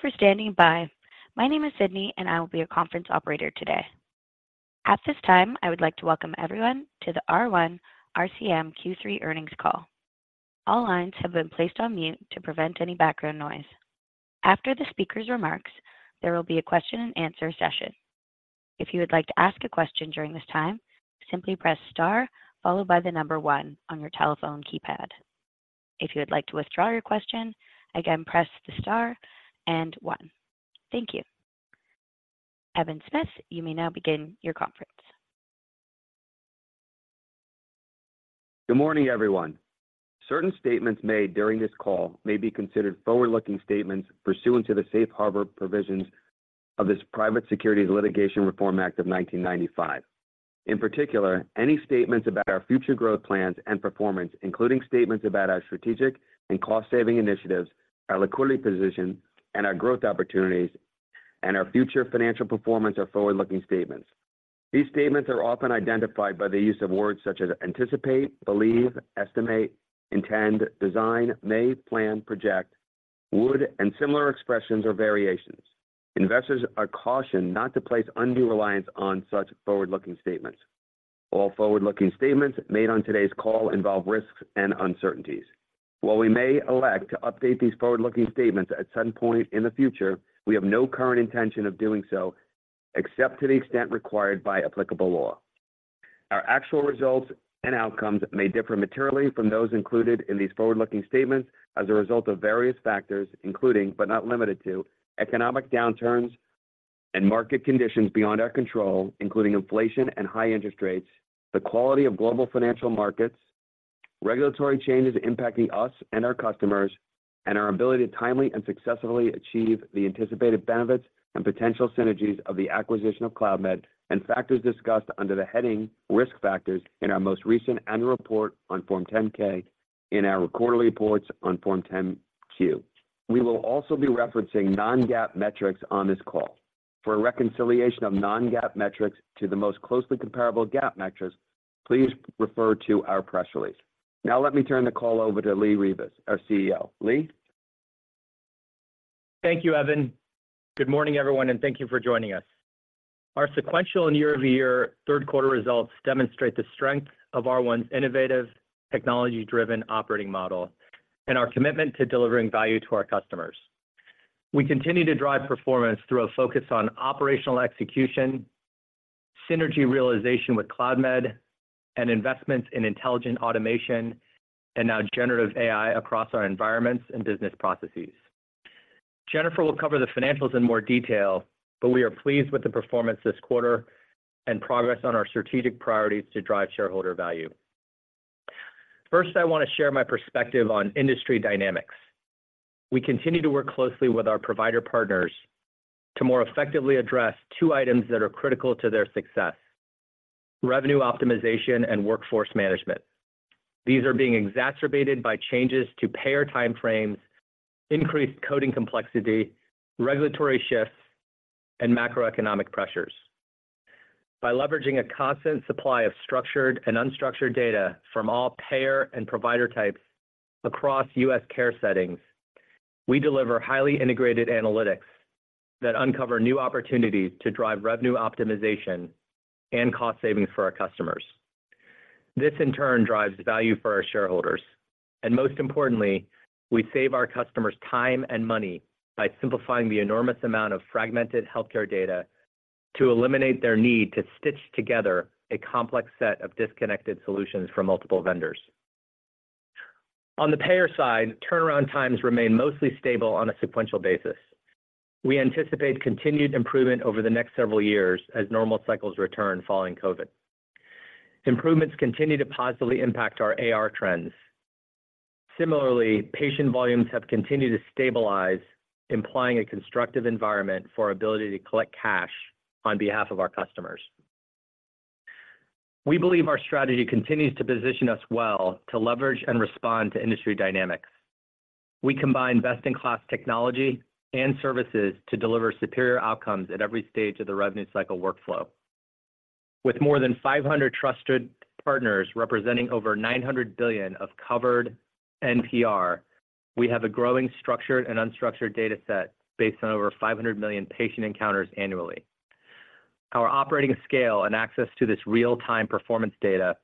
Thank you for standing by. My name is Sydney, and I will be your conference operator today. At this time, I would like to welcome everyone to the R1 RCM Q3 Earnings Call. All lines have been placed on mute to prevent any background noise. After the speaker's remarks, there will be a question-and-answer session. If you would like to ask a question during this time, simply press star followed by the number one on your telephone keypad. If you would like to withdraw your question, again, press the star and one. Thank you. Evan Smith, you may now begin your conference. Good morning, everyone. Certain statements made during this call may be considered forward-looking statements pursuant to the safe harbor provisions of the Private Securities Litigation Reform Act of 1995. In particular, any statements about our future growth plans and performance, including statements about our strategic and cost-saving initiatives, our liquidity position, and our growth opportunities, and our future financial performance are forward-looking statements. These statements are often identified by the use of words such as anticipate, believe, estimate, intend, design, may, plan, project, would, and similar expressions or variations. Investors are cautioned not to place undue reliance on such forward-looking statements. All forward-looking statements made on today's call involve risks and uncertainties. While we may elect to update these forward-looking statements at some point in the future, we have no current intention of doing so, except to the extent required by applicable law. Our actual results and outcomes may differ materially from those included in these forward-looking statements as a result of various factors, including, but not limited to, economic downturns and market conditions beyond our control, including inflation and high interest rates, the quality of global financial markets, regulatory changes impacting us and our customers, and our ability to timely and successfully achieve the anticipated benefits and potential synergies of the acquisition of Cloudmed, and factors discussed under the heading Risk Factors in our most recent annual report on Form 10-K in our quarterly reports on Form 10-Q. We will also be referencing non-GAAP metrics on this call. For a reconciliation of non-GAAP metrics to the most closely comparable GAAP metrics, please refer to our press release. Now let me turn the call over to Lee Rivas, our CEO. Lee? Thank you, Evan. Good morning, everyone, and thank you for joining us. Our sequential and year-over-year third quarter results demonstrate the strength of R1's innovative, technology-driven operating model and our commitment to delivering value to our customers. We continue to drive performance through a focus on operational execution, synergy realization with Cloudmed, and investments in intelligent automation, and now generative AI across our environments and business processes. Jennifer will cover the financials in more detail, but we are pleased with the performance this quarter and progress on our strategic priorities to drive shareholder value. First, I want to share my perspective on industry dynamics. We continue to work closely with our provider partners to more effectively address two items that are critical to their success: revenue optimization and workforce management. These are being exacerbated by changes to payer timeframes, increased coding complexity, regulatory shifts, and macroeconomic pressures. By leveraging a constant supply of structured and unstructured data from all payer and provider types across U.S. care settings, we deliver highly integrated analytics that uncover new opportunities to drive revenue optimization and cost savings for our customers. This, in turn, drives value for our shareholders, and most importantly, we save our customers time and money by simplifying the enormous amount of fragmented healthcare data to eliminate their need to stitch together a complex set of disconnected solutions from multiple vendors. On the payer side, turnaround times remain mostly stable on a sequential basis. We anticipate continued improvement over the next several years as normal cycles return following COVID. Improvements continue to positively impact our AR trends. Similarly, patient volumes have continued to stabilize, implying a constructive environment for our ability to collect cash on behalf of our customers. We believe our strategy continues to position us well to leverage and respond to industry dynamics. We combine best-in-class technology and services to deliver superior outcomes at every stage of the revenue cycle workflow. With more than 500 trusted partners representing over $900 billion of covered NPR, we have a growing, structured and unstructured data set based on over 500 million patient encounters annually. Our operating scale and access to this real-time performance data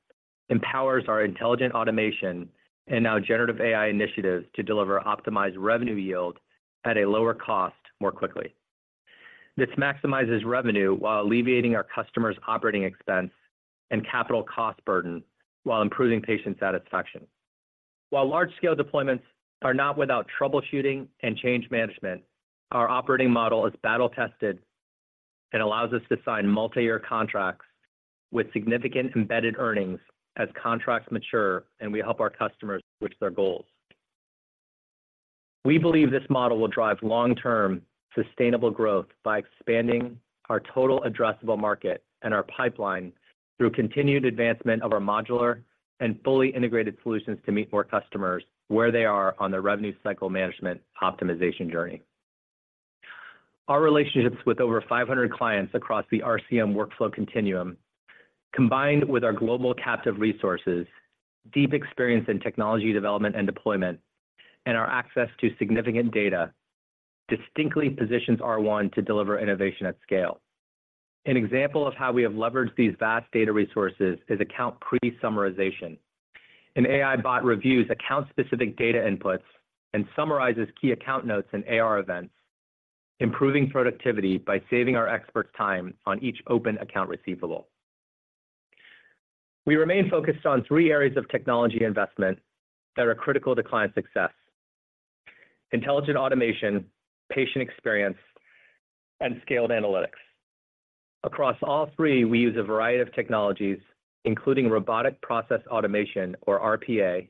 empowers our intelligent automation and now generative AI initiatives to deliver optimized revenue yield at a lower cost more quickly. This maximizes revenue while alleviating our customers' operating expense and capital cost burden while improving patient satisfaction. While large-scale deployments are not without troubleshooting and change management, our operating model is battle-tested and allows us to sign multi-year contracts with significant embedded earnings as contracts mature and we help our customers reach their goals. We believe this model will drive long-term, sustainable growth by expanding our total addressable market and our pipeline through continued advancement of our modular and fully integrated solutions to meet more customers where they are on their revenue cycle management optimization journey. Our relationships with over 500 clients across the RCM workflow continuum, combined with our global captive resources, deep experience in technology development and deployment, and our access to significant data, distinctly positions R1 to deliver innovation at scale. An example of how we have leveraged these vast data resources is account pre-summarization. An AI bot reviews account-specific data inputs and summarizes key account notes and AR events, improving productivity by saving our experts time on each open account receivable. We remain focused on three areas of technology investment that are critical to client success: intelligent automation, patient experience, and scaled analytics. Across all three, we use a variety of technologies, including robotic process automation or RPA,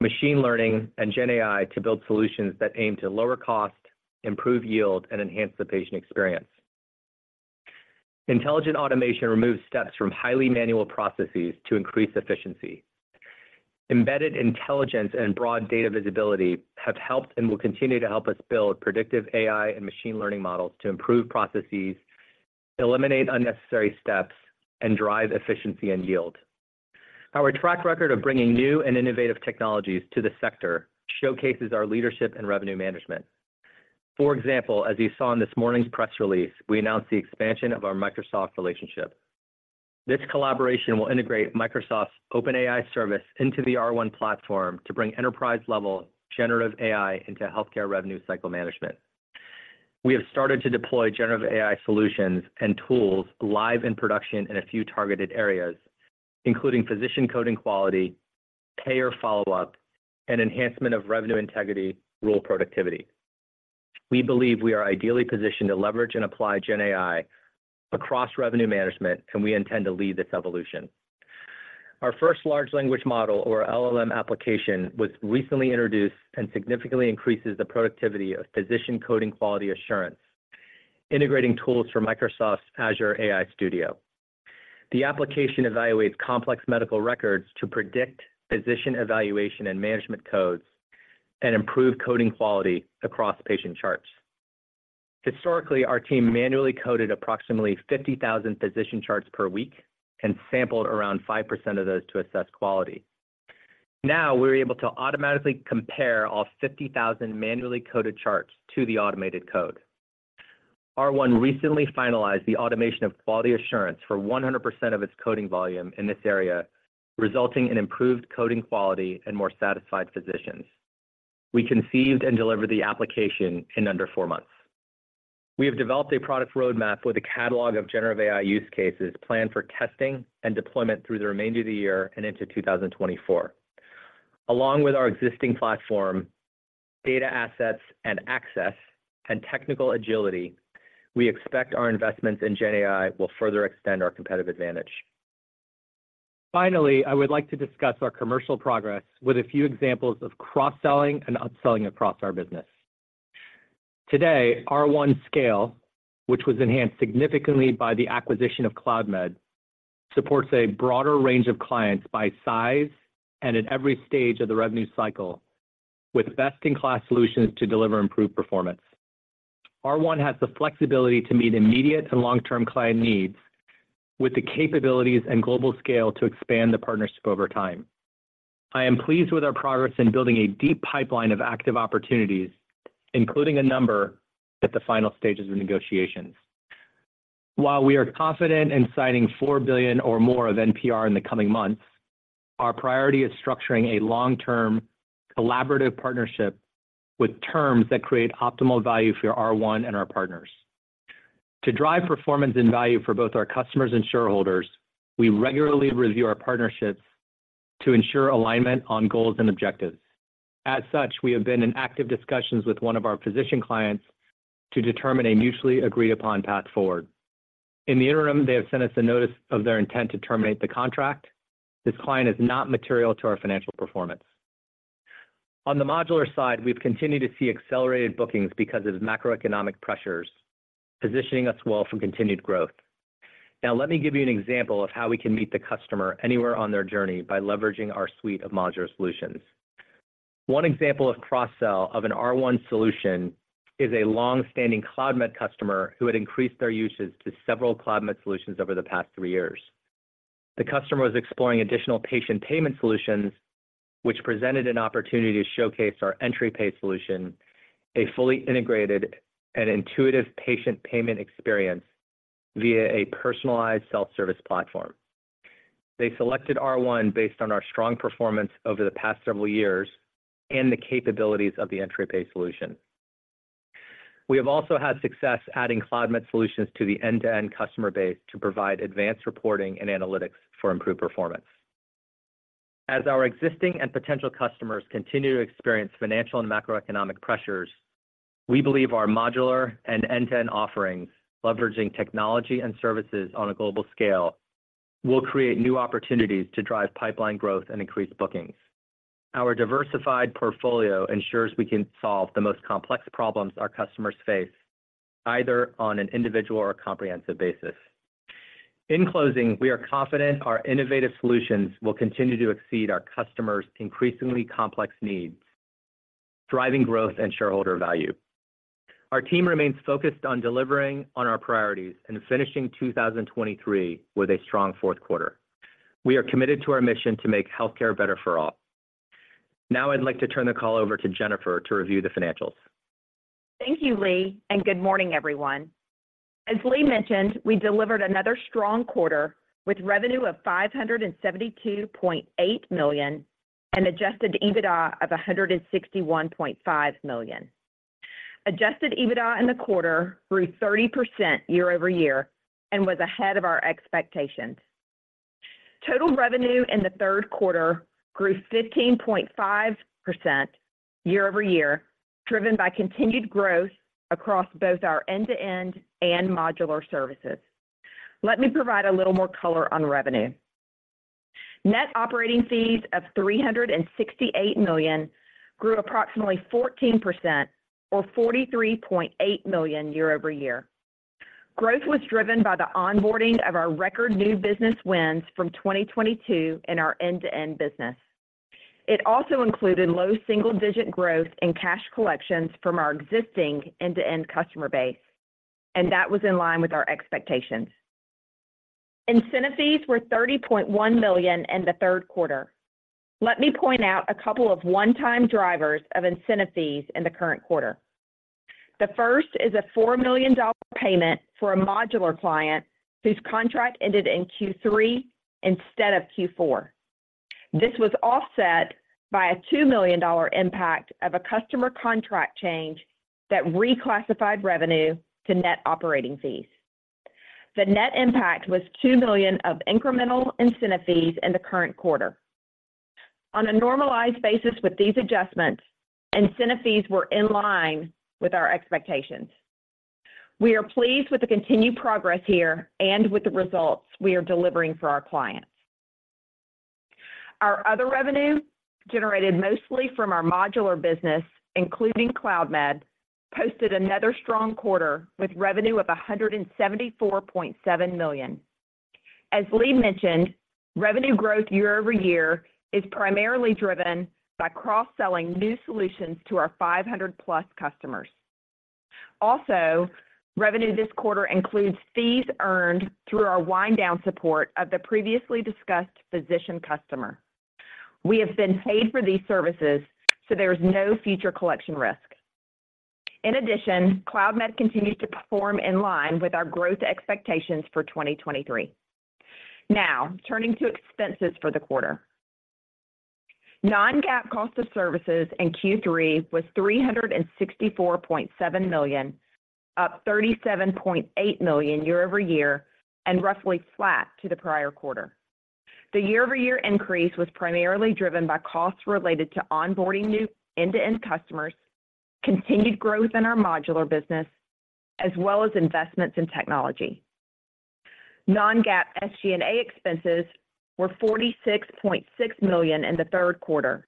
machine learning, and GenAI, to build solutions that aim to lower cost, improve yield, and enhance the patient experience. Intelligent automation removes steps from highly manual processes to increase efficiency. Embedded intelligence and broad data visibility have helped and will continue to help us build predictive AI and machine learning models to improve processes, eliminate unnecessary steps, and drive efficiency and yield. Our track record of bringing new and innovative technologies to the sector showcases our leadership in revenue management. For example, as you saw in this morning's press release, we announced the expansion of our Microsoft relationship. This collaboration will integrate Microsoft's OpenAI service into the R1 platform to bring enterprise-level generative AI into healthcare revenue cycle management. We have started to deploy generative AI solutions and tools live in production in a few targeted areas, including physician coding quality, payer follow-up, and enhancement of revenue integrity rule productivity. We believe we are ideally positioned to leverage and apply GenAI across revenue management, and we intend to lead this evolution. Our first large language model, or LLM application, was recently introduced and significantly increases the productivity of physician coding quality assurance, integrating tools from Microsoft's Azure AI Studio. The application evaluates complex medical records to predict physician evaluation and management codes and improve coding quality across patient charts. Historically, our team manually coded approximately 50,000 physician charts per week and sampled around 5% of those to assess quality. Now, we're able to automatically compare all 50,000 manually coded charts to the automated code. R1 recently finalized the automation of quality assurance for 100% of its coding volume in this area, resulting in improved coding quality and more satisfied physicians. We conceived and delivered the application in under four months. We have developed a product roadmap with a catalog of generative AI use cases planned for testing and deployment through the remainder of the year and into 2024. Along with our existing platform, data assets and access, and technical agility, we expect our investments in GenAI will further extend our competitive advantage. Finally, I would like to discuss our commercial progress with a few examples of cross-selling and upselling across our business. Today, R1 scale, which was enhanced significantly by the acquisition of Cloudmed, supports a broader range of clients by size and at every stage of the revenue cycle, with best-in-class solutions to deliver improved performance. R1 has the flexibility to meet immediate and long-term client needs with the capabilities and global scale to expand the partnership over time. I am pleased with our progress in building a deep pipeline of active opportunities, including a number at the final stages of negotiations. While we are confident in signing $4 billion or more of NPR in the coming months, our priority is structuring a long-term, collaborative partnership with terms that create optimal value for R1 and our partners. To drive performance and value for both our customers and shareholders, we regularly review our partnerships to ensure alignment on goals and objectives. As such, we have been in active discussions with one of our physician clients to determine a mutually agreed-upon path forward. In the interim, they have sent us a notice of their intent to terminate the contract. This client is not material to our financial performance. On the modular side, we've continued to see accelerated bookings because of macroeconomic pressures, positioning us well for continued growth. Now, let me give you an example of how we can meet the customer anywhere on their journey by leveraging our suite of modular solutions. One example of cross-sell of an R1 solution is a long-standing Cloudmed customer who had increased their usage to several Cloudmed solutions over the past three years. The customer was exploring additional patient payment solutions, which presented an opportunity to showcase our Entri Pay solution, a fully integrated and intuitive patient payment experience via a personalized self-service platform. They selected R1 based on our strong performance over the past several years and the capabilities of the Entri Pay solution. We have also had success adding Cloudmed solutions to the end-to-end customer base to provide advanced reporting and analytics for improved performance. As our existing and potential customers continue to experience financial and macroeconomic pressures, we believe our modular and end-to-end offerings, leveraging technology and services on a global scale, will create new opportunities to drive pipeline growth and increase bookings. Our diversified portfolio ensures we can solve the most complex problems our customers face, either on an individual or comprehensive basis. In closing, we are confident our innovative solutions will continue to exceed our customers' increasingly complex needs, driving growth and shareholder value. Our team remains focused on delivering on our priorities and finishing 2023 with a strong fourth quarter. We are committed to our mission to make healthcare better for all. Now, I'd like to turn the call over to Jennifer to review the financials. Thank you, Lee, and good morning, everyone. As Lee mentioned, we delivered another strong quarter, with revenue of $572.8 million, and adjusted EBITDA of $161.5 million. Adjusted EBITDA in the quarter grew 30% year-over-year and was ahead of our expectations. Total revenue in the third quarter grew 15.5% year-over-year, driven by continued growth across both our end-to-end and modular services. Let me provide a little more color on revenue. Net operating fees of $368 million grew approximately 14% or $43.8 million year-over-year. Growth was driven by the onboarding of our record new business wins from 2022 in our end-to-end business. It also included low single-digit growth in cash collections from our existing end-to-end customer base, and that was in line with our expectations. Incentive fees were $30.1 million in the third quarter. Let me point out a couple of one-time drivers of incentive fees in the current quarter. The first is a $4 million payment for a modular client whose contract ended in Q3 instead of Q4. This was offset by a $2 million impact of a customer contract change that reclassified revenue to net operating fees. The net impact was $2 million of incremental incentive fees in the current quarter. On a normalized basis with these adjustments, incentive fees were in line with our expectations. We are pleased with the continued progress here and with the results we are delivering for our clients. Our other revenue, generated mostly from our modular business, including Cloudmed, posted another strong quarter with revenue of $174.7 million. As Lee mentioned, revenue growth year-over-year is primarily driven by cross-selling new solutions to our 500+ customers. Also, revenue this quarter includes fees earned through our wind-down support of the previously discussed physician customer. We have been paid for these services, so there is no future collection risk. In addition, Cloudmed continues to perform in line with our growth expectations for 2023. Now, turning to expenses for the quarter. Non-GAAP cost of services in Q3 was $364.7 million, up $37.8 million year-over-year and roughly flat to the prior quarter. The year-over-year increase was primarily driven by costs related to onboarding new end-to-end customers, continued growth in our modular business, as well as investments in technology. Non-GAAP SG&A expenses were $46.6 million in the third quarter,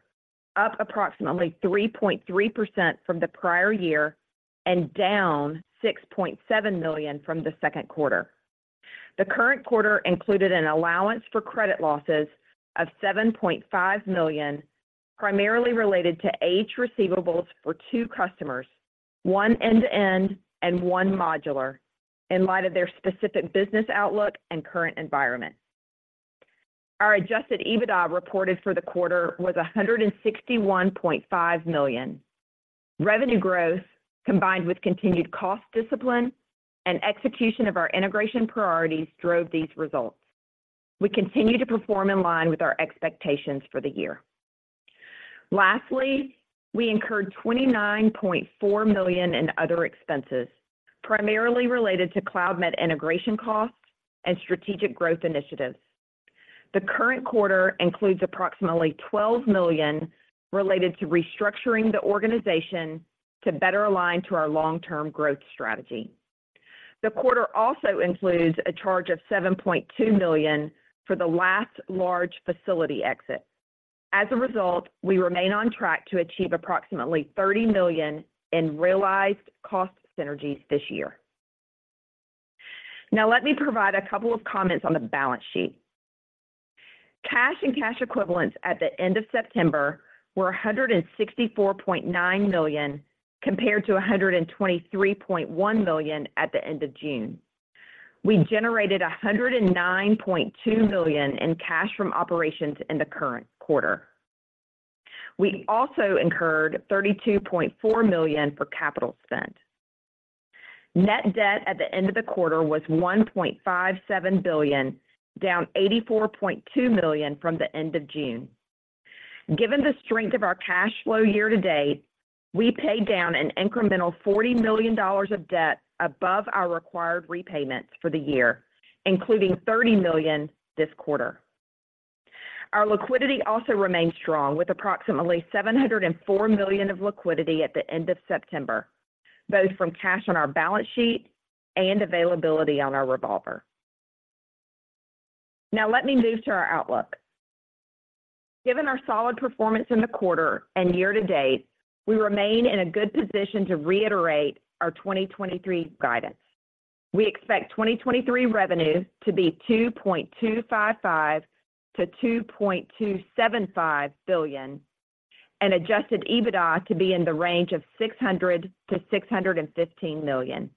up approximately 3.3% from the prior year and down $6.7 million from the second quarter. The current quarter included an allowance for credit losses of $7.5 million, primarily related to AR receivables for two customers, one end-to-end and one modular, in light of their specific business outlook and current environment. Our adjusted EBITDA reported for the quarter was $161.5 million. Revenue growth, combined with continued cost discipline and execution of our integration priorities, drove these results. We continue to perform in line with our expectations for the year. Lastly, we incurred $29.4 million in other expenses, primarily related to Cloudmed integration costs and strategic growth initiatives. The current quarter includes approximately $12 million related to restructuring the organization to better align to our long-term growth strategy. The quarter also includes a charge of $7.2 million for the last large facility exit. As a result, we remain on track to achieve approximately $30 million in realized cost synergies this year. Now, let me provide a couple of comments on the balance sheet. Cash and cash equivalents at the end of September were $164.9 million, compared to $123.1 million at the end of June. We generated $109.2 million in cash from operations in the current quarter. We also incurred $32.4 million for capital spend. Net debt at the end of the quarter was $1.57 billion, down $84.2 million from the end of June. Given the strength of our cash flow year-to-date, we paid down an incremental $40 million of debt above our required repayments for the year, including $30 million this quarter. Our liquidity also remains strong, with approximately $704 million of liquidity at the end of September, both from cash on our balance sheet and availability on our revolver. Now let me move to our outlook. Given our solid performance in the quarter and year-to-date, we remain in a good position to reiterate our 2023 guidance. We expect 2023 revenue to be $2.255 billion-$2.275 billion, and Adjusted EBITDA to be in the range of $600 million-$615 million.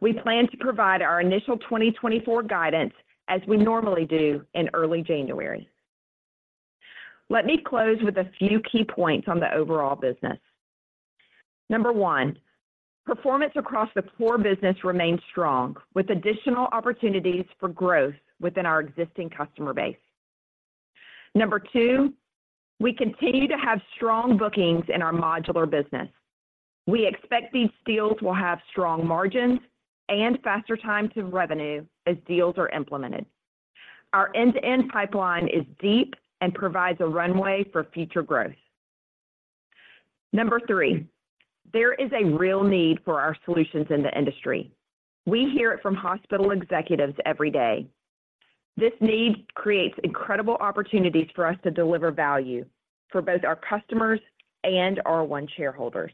We plan to provide our initial 2024 guidance as we normally do in early January. Let me close with a few key points on the overall business. Number 1, performance across the core business remains strong, with additional opportunities for growth within our existing customer base. Number 2, we continue to have strong bookings in our modular business. We expect these deals will have strong margins and faster time to revenue as deals are implemented. Our end-to-end pipeline is deep and provides a runway for future growth. Number 3, there is a real need for our solutions in the industry. We hear it from hospital executives every day. This need creates incredible opportunities for us to deliver value for both our customers and our R1 shareholders.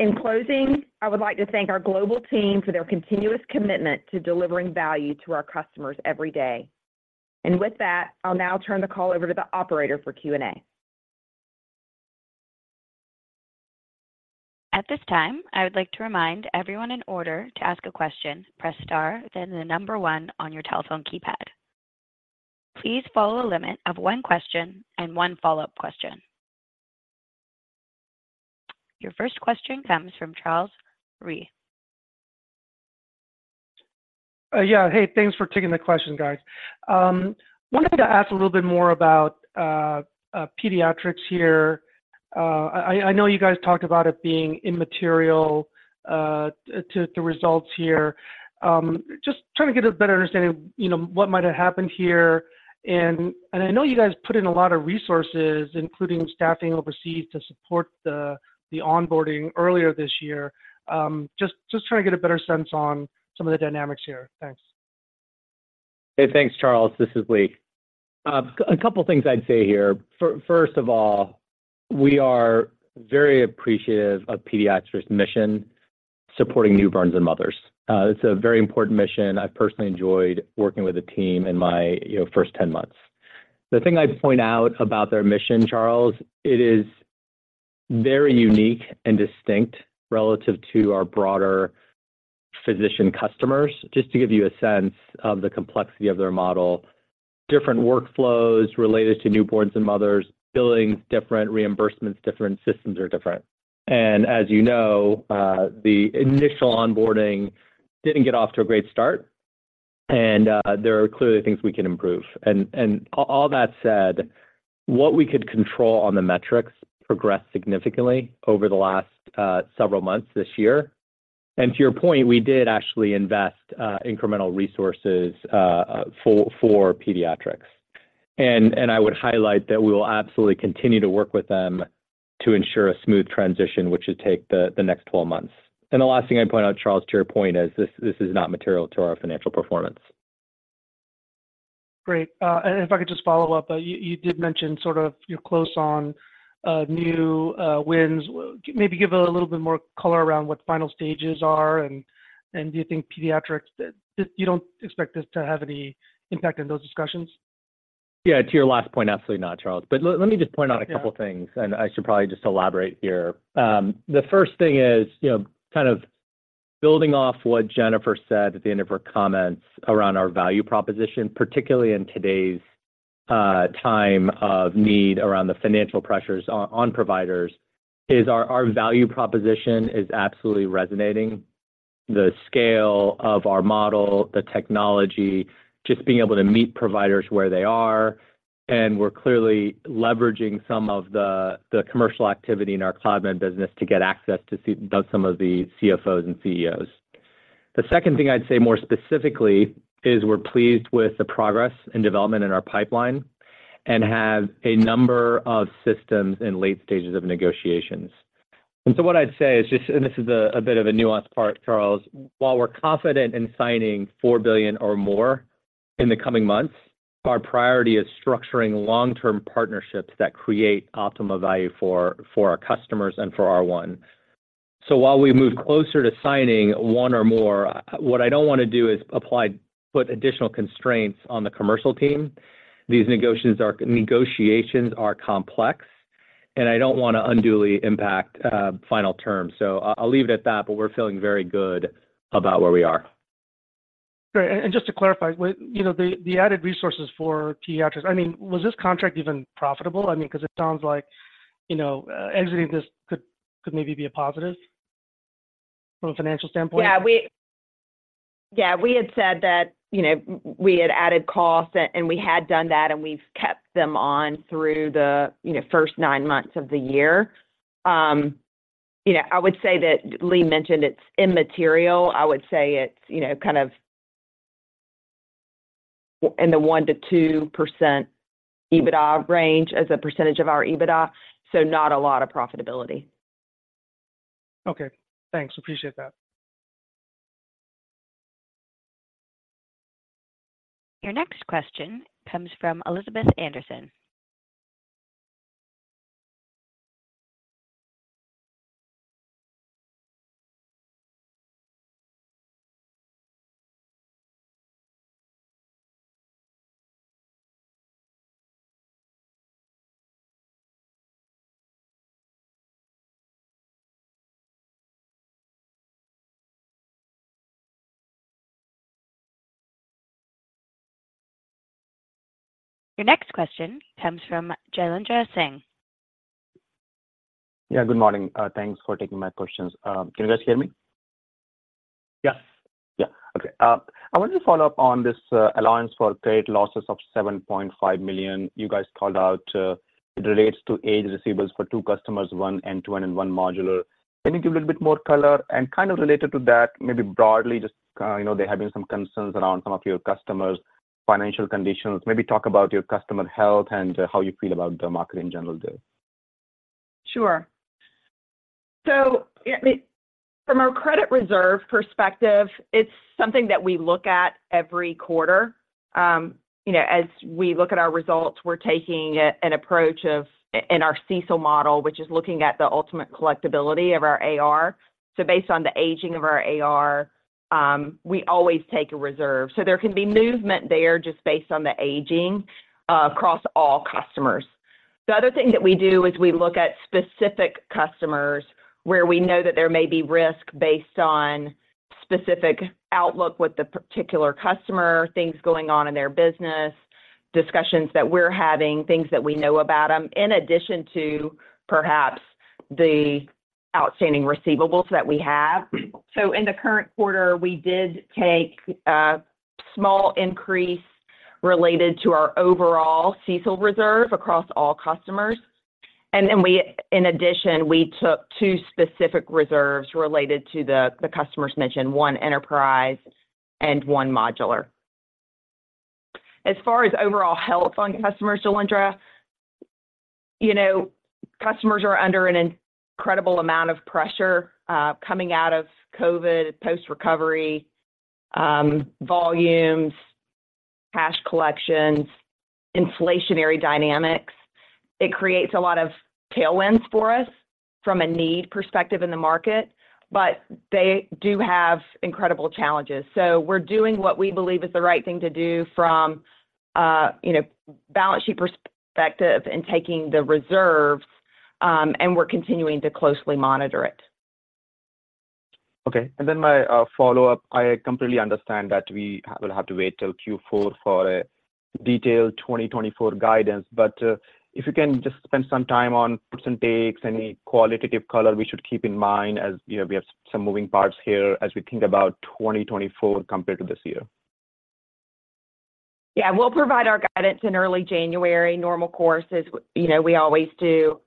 In closing, I would like to thank our global team for their continuous commitment to delivering value to our customers every day. And with that, I'll now turn the call over to the operator for Q&A. At this time, I would like to remind everyone in order to ask a question, press star, then one on your telephone keypad. Please follow a limit of one question and one follow-up question. Your first question comes from Charles Rhyee. Yeah, hey, thanks for taking the question, guys. Wanted to ask a little bit more about Pediatrix here. I know you guys talked about it being immaterial to results here. Just trying to get a better understanding, you know, what might have happened here. I know you guys put in a lot of resources, including staffing overseas, to support the onboarding earlier this year. Just trying to get a better sense on some of the dynamics here. Thanks. Hey, thanks, Charles. This is Lee. A couple of things I'd say here. First of all, we are very appreciative of Pediatrix's mission, supporting newborns and mothers. It's a very important mission. I've personally enjoyed working with the team in my, you know, first 10 months. The thing I'd point out about their mission, Charles, it is very unique and distinct relative to our broader physician customers, just to give you a sense of the complexity of their model. Different workflows related to newborns and mothers, billings, different reimbursements, different systems are different. And as you know, the initial onboarding didn't get off to a great start, and there are clearly things we can improve. And all that said, what we could control on the metrics progressed significantly over the last several months this year. To your point, we did actually invest incremental resources for Pediatrix. And I would highlight that we will absolutely continue to work with them to ensure a smooth transition, which should take the next 12 months. And the last thing I'd point out, Charles, to your point, is this is not material to our financial performance. Great. And if I could just follow up, you did mention sort of you're close on new wins. Maybe give a little bit more color around what the final stages are, and do you think Pediatrix, that you don't expect this to have any impact on those discussions? Yeah, to your last point, absolutely not, Charles. But let me just point out a couple of things, and I should probably just elaborate here. The first thing is, you know, kind of building off what Jennifer said at the end of her comments around our value proposition, particularly in today's time of need around the financial pressures on providers, is our value proposition is absolutely resonating. The scale of our model, the technology, just being able to meet providers where they are, and we're clearly leveraging some of the commercial activity in our Cloudmed business to get access to see some of the CFOs and CEOs. The second thing I'd say more specifically is we're pleased with the progress and development in our pipeline and have a number of systems in late stages of negotiations. So what I'd say is just, and this is a bit of a nuanced part, Charles: while we're confident in signing $4 billion or more in the coming months, our priority is structuring long-term partnerships that create optimal value for our customers and for R1. So while we move closer to signing one or more, what I don't want to do is put additional constraints on the commercial team. These negotiations are complex, and I don't want to unduly impact final terms. So I'll leave it at that, but we're feeling very good about where we are. Great. And just to clarify, with you know, the added resources for Pediatrix, I mean, was this contract even profitable? I mean, because it sounds like, you know, exiting this could maybe be a positive from a financial standpoint. Yeah, we had said that, you know, we had added costs, and we had done that, and we've kept them on through the, you know, first 9 months of the year. You know, I would say that Lee mentioned it's immaterial. I would say it's, you know, kind of in the 1%-2% EBITDA range as a percentage of our EBITDA, so not a lot of profitability. Okay, thanks. Appreciate that. Your next question comes from Elizabeth Anderson. Your next question comes from Jailendra Singh. Yeah, good morning. Thanks for taking my questions. Can you guys hear me? Yes. Yeah. Okay, I wanted to follow up on this, allowance for credit losses of $7.5 million. You guys called out, it relates to aged receivables for two customers, one end-to-end and one modular. Can you give a little bit more color? And kind of related to that, maybe broadly, just, you know, there have been some concerns around some of your customers' financial conditions. Maybe talk about your customer health and, how you feel about the market in general there. Sure. So, I mean, from a credit reserve perspective, it's something that we look at every quarter. You know, as we look at our results, we're taking an approach in our CECL model, which is looking at the ultimate collectibility of our AR. So based on the aging of our AR, we always take a reserve. So there can be movement there just based on the aging across all customers. The other thing that we do is we look at specific customers where we know that there may be risk based on specific outlook with the particular customer, things going on in their business, discussions that we're having, things that we know about them, in addition to perhaps the outstanding receivables that we have. So in the current quarter, we did take a small increase related to our overall CECL reserve across all customers. In addition, we took two specific reserves related to the customers mentioned, one enterprise and one modular. As far as overall health on customers, Jailendra, you know, customers are under an incredible amount of pressure, coming out of COVID, post-recovery, volumes, cash collections, inflationary dynamics. It creates a lot of tailwinds for us from a need perspective in the market, but they do have incredible challenges. So we're doing what we believe is the right thing to do from, you know, balance sheet perspective and taking the reserves, and we're continuing to closely monitor it. Okay, and then my follow-up, I completely understand that we will have to wait till Q4 for a detailed 2024 guidance, but if you can just spend some time on puts and takes, any qualitative color we should keep in mind, as you know, we have some moving parts here as we think about 2024 compared to this year. Yeah, we'll provide our guidance in early January. Normal course, as you know, we always do.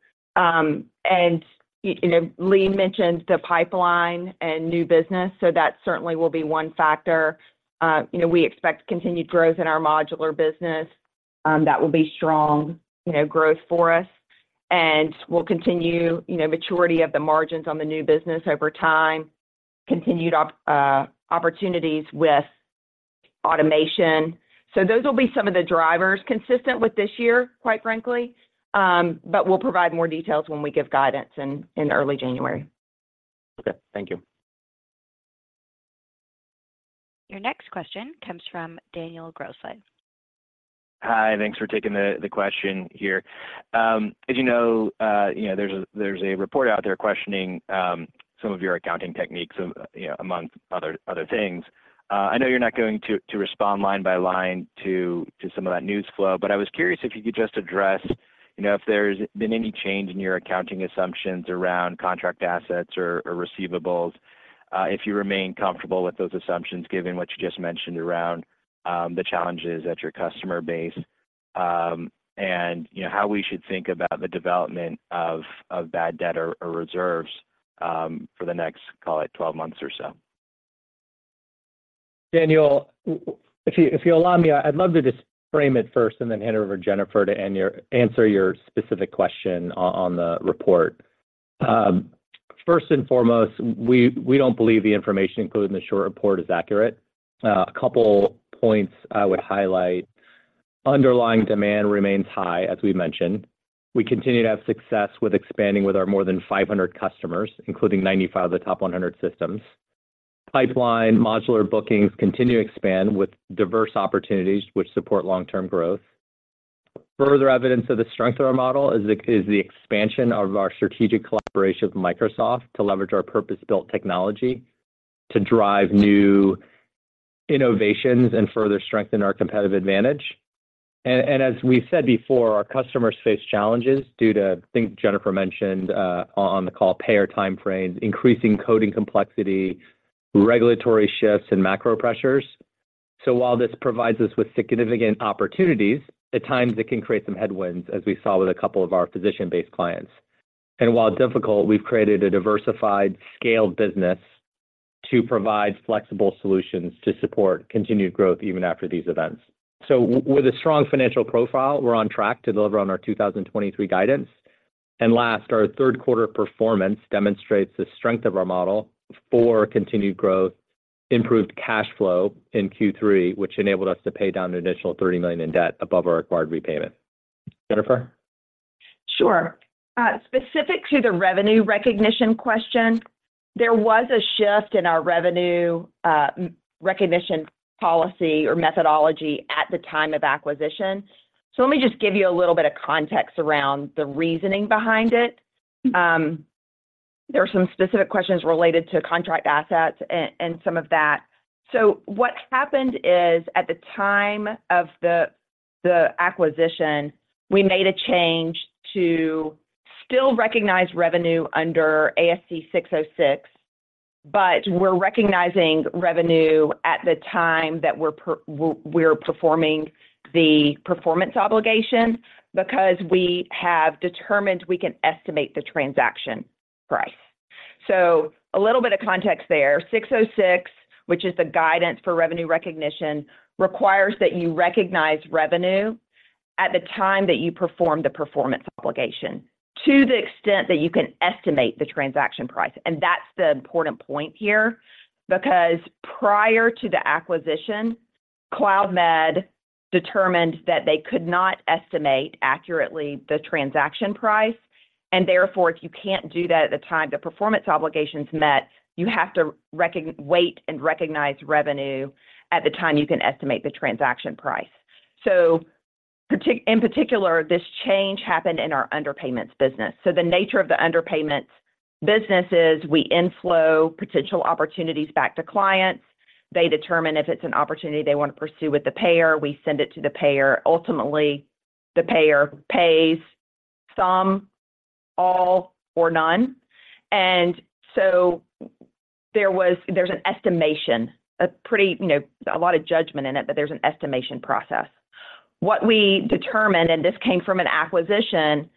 You know, Lee mentioned the pipeline and new business, so that certainly will be one factor. You know, we expect continued growth in our modular business. That will be strong, you know, growth for us, and we'll continue, you know, maturity of the margins on the new business over time, continued opportunities with automation. So those will be some of the drivers consistent with this year, quite frankly. But we'll provide more details when we give guidance in early January. Okay. Thank you. Your next question comes from Daniel Grosslight. Hi, thanks for taking the question here. As you know, you know, there's a report out there questioning some of your accounting techniques, you know, among other things. I know you're not going to respond line by line to some of that news flow, but I was curious if you could just address, you know, if there's been any change in your accounting assumptions around contract assets or receivables. If you remain comfortable with those assumptions, given what you just mentioned around the challenges at your customer base, and, you know, how we should think about the development of bad debt or reserves for the next, call it, 12 months or so. Daniel, if you, if you allow me, I'd love to just frame it first and then hand it over to Jennifer to answer your specific question on the report. First and foremost, we don't believe the information included in the short report is accurate. A couple points I would highlight. Underlying demand remains high, as we mentioned. We continue to have success with expanding with our more than 500 customers, including 95 of the top 100 systems. Pipeline modular bookings continue to expand with diverse opportunities, which support long-term growth. Further evidence of the strength of our model is the expansion of our strategic collaboration with Microsoft to leverage our purpose-built technology to drive new innovations and further strengthen our competitive advantage. And as we said before, our customers face challenges due to, I think Jennifer mentioned on the call, payer timeframes, increasing coding complexity, regulatory shifts, and macro pressures. So while this provides us with significant opportunities, at times it can create some headwinds, as we saw with a couple of our physician-based clients. While difficult, we've created a diversified, scaled business to provide flexible solutions to support continued growth even after these events. So with a strong financial profile, we're on track to deliver on our 2023 guidance. Last, our third quarter performance demonstrates the strength of our model for continued growth, improved cash flow in Q3, which enabled us to pay down an additional $30 million in debt above our required repayment. Jennifer? Sure. Specific to the revenue recognition question, there was a shift in our revenue recognition policy or methodology at the time of acquisition. So let me just give you a little bit of context around the reasoning behind it. There are some specific questions related to contract assets and some of that. So what happened is, at the time of the acquisition, we made a change to still recognize revenue under ASC 606 but we're recognizing revenue at the time that we're performing the performance obligation, because we have determined we can estimate the transaction price. So a little bit of context there. 606, which is the guidance for revenue recognition, requires that you recognize revenue at the time that you perform the performance obligation, to the extent that you can estimate the transaction price. And that's the important point here, because prior to the acquisition, Cloudmed determined that they could not estimate accurately the transaction price, and therefore, if you can't do that at the time the performance obligation's met, you have to wait and recognize revenue at the time you can estimate the transaction price. So in particular, this change happened in our underpayments business. So the nature of the underpayments business is, we inflow potential opportunities back to clients. They determine if it's an opportunity they wanna pursue with the payer, we send it to the payer. Ultimately, the payer pays some, all, or none. And so there's an estimation, a pretty, you know, a lot of judgment in it, but there's an estimation process. What we determined, and this came from an acquisition,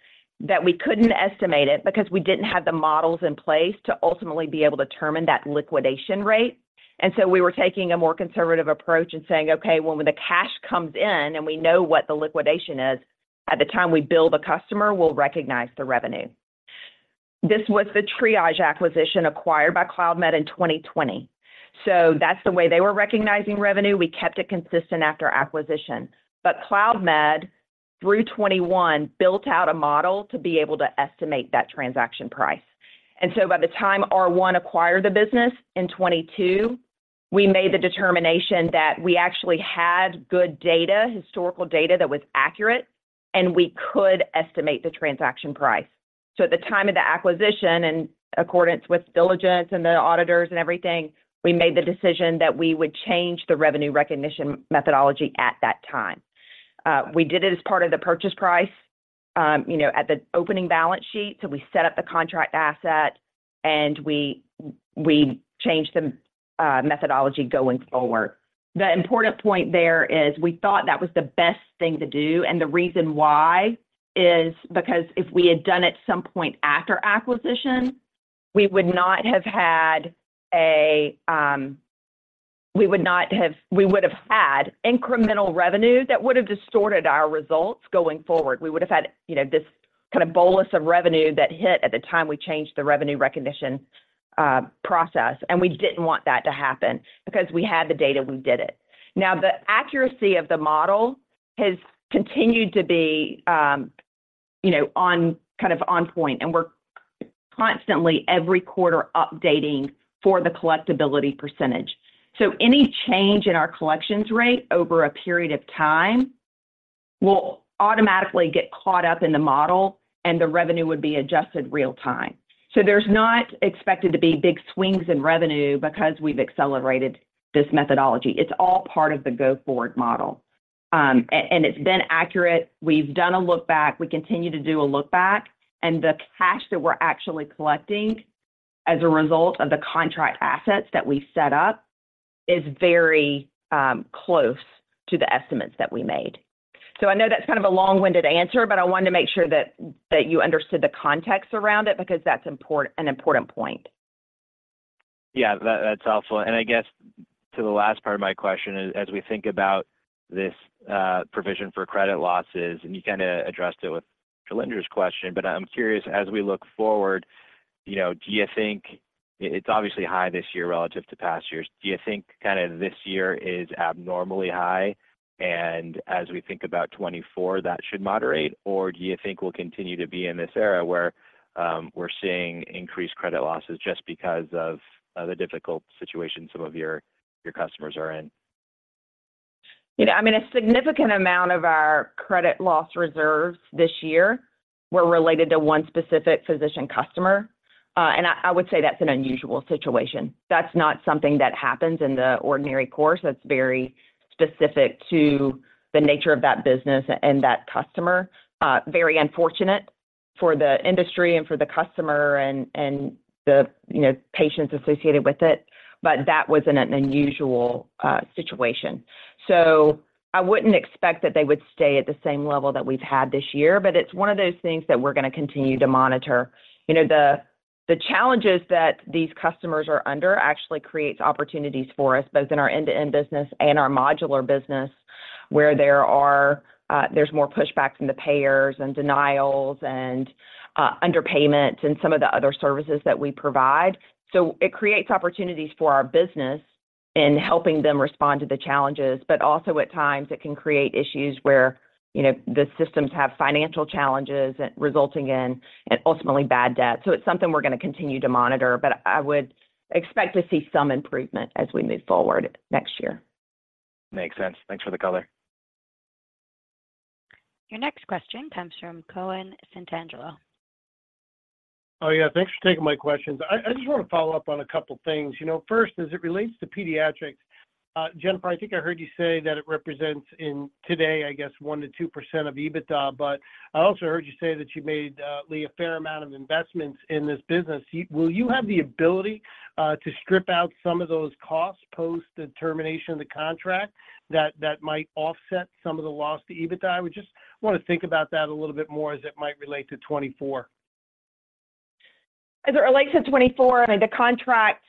that we couldn't estimate it, because we didn't have the models in place to ultimately be able to determine that liquidation rate. And so we were taking a more conservative approach and saying: Okay, well, when the cash comes in and we know what the liquidation is, at the time we bill the customer, we'll recognize the revenue. This was the Triage acquisition acquired by Cloudmed in 2020. So that's the way they were recognizing revenue. We kept it consistent after acquisition. But Cloudmed, through 2021, built out a model to be able to estimate that transaction price. And so by the time R1 acquired the business in 2022, we made the determination that we actually had good data, historical data that was accurate, and we could estimate the transaction price. So at the time of the acquisition, in accordance with diligence and the auditors and everything, we made the decision that we would change the revenue recognition methodology at that time. We did it as part of the purchase price, you know, at the opening balance sheet, so we set up the contract asset, and we changed the methodology going forward. The important point there is, we thought that was the best thing to do, and the reason why is because if we had done it at some point after acquisition, we would have had incremental revenue that would have distorted our results going forward. We would have had, you know, this kind of bolus of revenue that hit at the time we changed the revenue recognition, process, and we didn't want that to happen. Because we had the data, we did it. Now, the accuracy of the model has continued to be, you know, on, kind of on point, and we're constantly, every quarter, updating for the collectibility percentage. So any change in our collections rate over a period of time will automatically get caught up in the model, and the revenue would be adjusted real time. So there's not expected to be big swings in revenue because we've accelerated this methodology. It's all part of the go-forward model. And it's been accurate. We've done a look back. We continue to do a look back, and the cash that we're actually collecting as a result of the contract assets that we've set up is very close to the estimates that we made. So I know that's kind of a long-winded answer, but I wanted to make sure that you understood the context around it, because that's an important point. Yeah, that, that's helpful. And I guess to the last part of my question is, as we think about this, provision for credit losses, and you kinda addressed it with Jailendra’s question, but I'm curious, as we look forward, you know, do you think, it's obviously high this year relative to past years. Do you think kinda this year is abnormally high, and as we think about 2024, that should moderate? Or do you think we'll continue to be in this era where, we're seeing increased credit losses just because of, the difficult situation some of your customers are in? You know, I mean, a significant amount of our credit loss reserves this year were related to one specific physician customer, and I would say that's an unusual situation. That's not something that happens in the ordinary course. That's very specific to the nature of that business and that customer. Very unfortunate for the industry and for the customer and, you know, the patients associated with it, but that was an unusual situation. So I wouldn't expect that they would stay at the same level that we've had this year, but it's one of those things that we're gonna continue to monitor. You know, the-... The challenges that these customers are under actually creates opportunities for us, both in our end-to-end business and our modular business, where there are, there's more pushback from the payers and denials and, underpayments and some of the other services that we provide. So it creates opportunities for our business in helping them respond to the challenges, but also at times, it can create issues where, you know, the systems have financial challenges, resulting in, and ultimately bad debt. So it's something we're going to continue to monitor, but I would expect to see some improvement as we move forward next year. Makes sense. Thanks for the color. Your next question comes from Glen Santangelo. Oh, yeah. Thanks for taking my questions. I just want to follow up on a couple of things. You know, first, as it relates to Pediatrix, Jennifer, I think I heard you say that it represents in today, I guess, 1%-2% of EBITDA, but I also heard you say that you made, Lee, a fair amount of investments in this business. Will you have the ability to strip out some of those costs post the termination of the contract that might offset some of the loss to EBITDA? I would just want to think about that a little bit more as it might relate to 2024. As it relates to 2024, I mean, the contract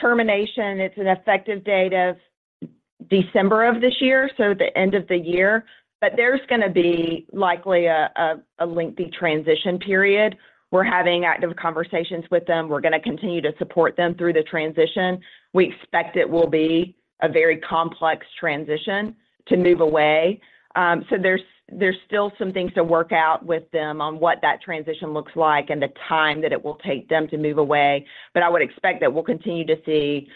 termination, it's an effective date of December of this year, so the end of the year. But there's going to be likely a lengthy transition period. We're having active conversations with them. We're going to continue to support them through the transition. We expect it will be a very complex transition to move away. So there's still some things to work out with them on what that transition looks like and the time that it will take them to move away. But I would expect that we'll continue to see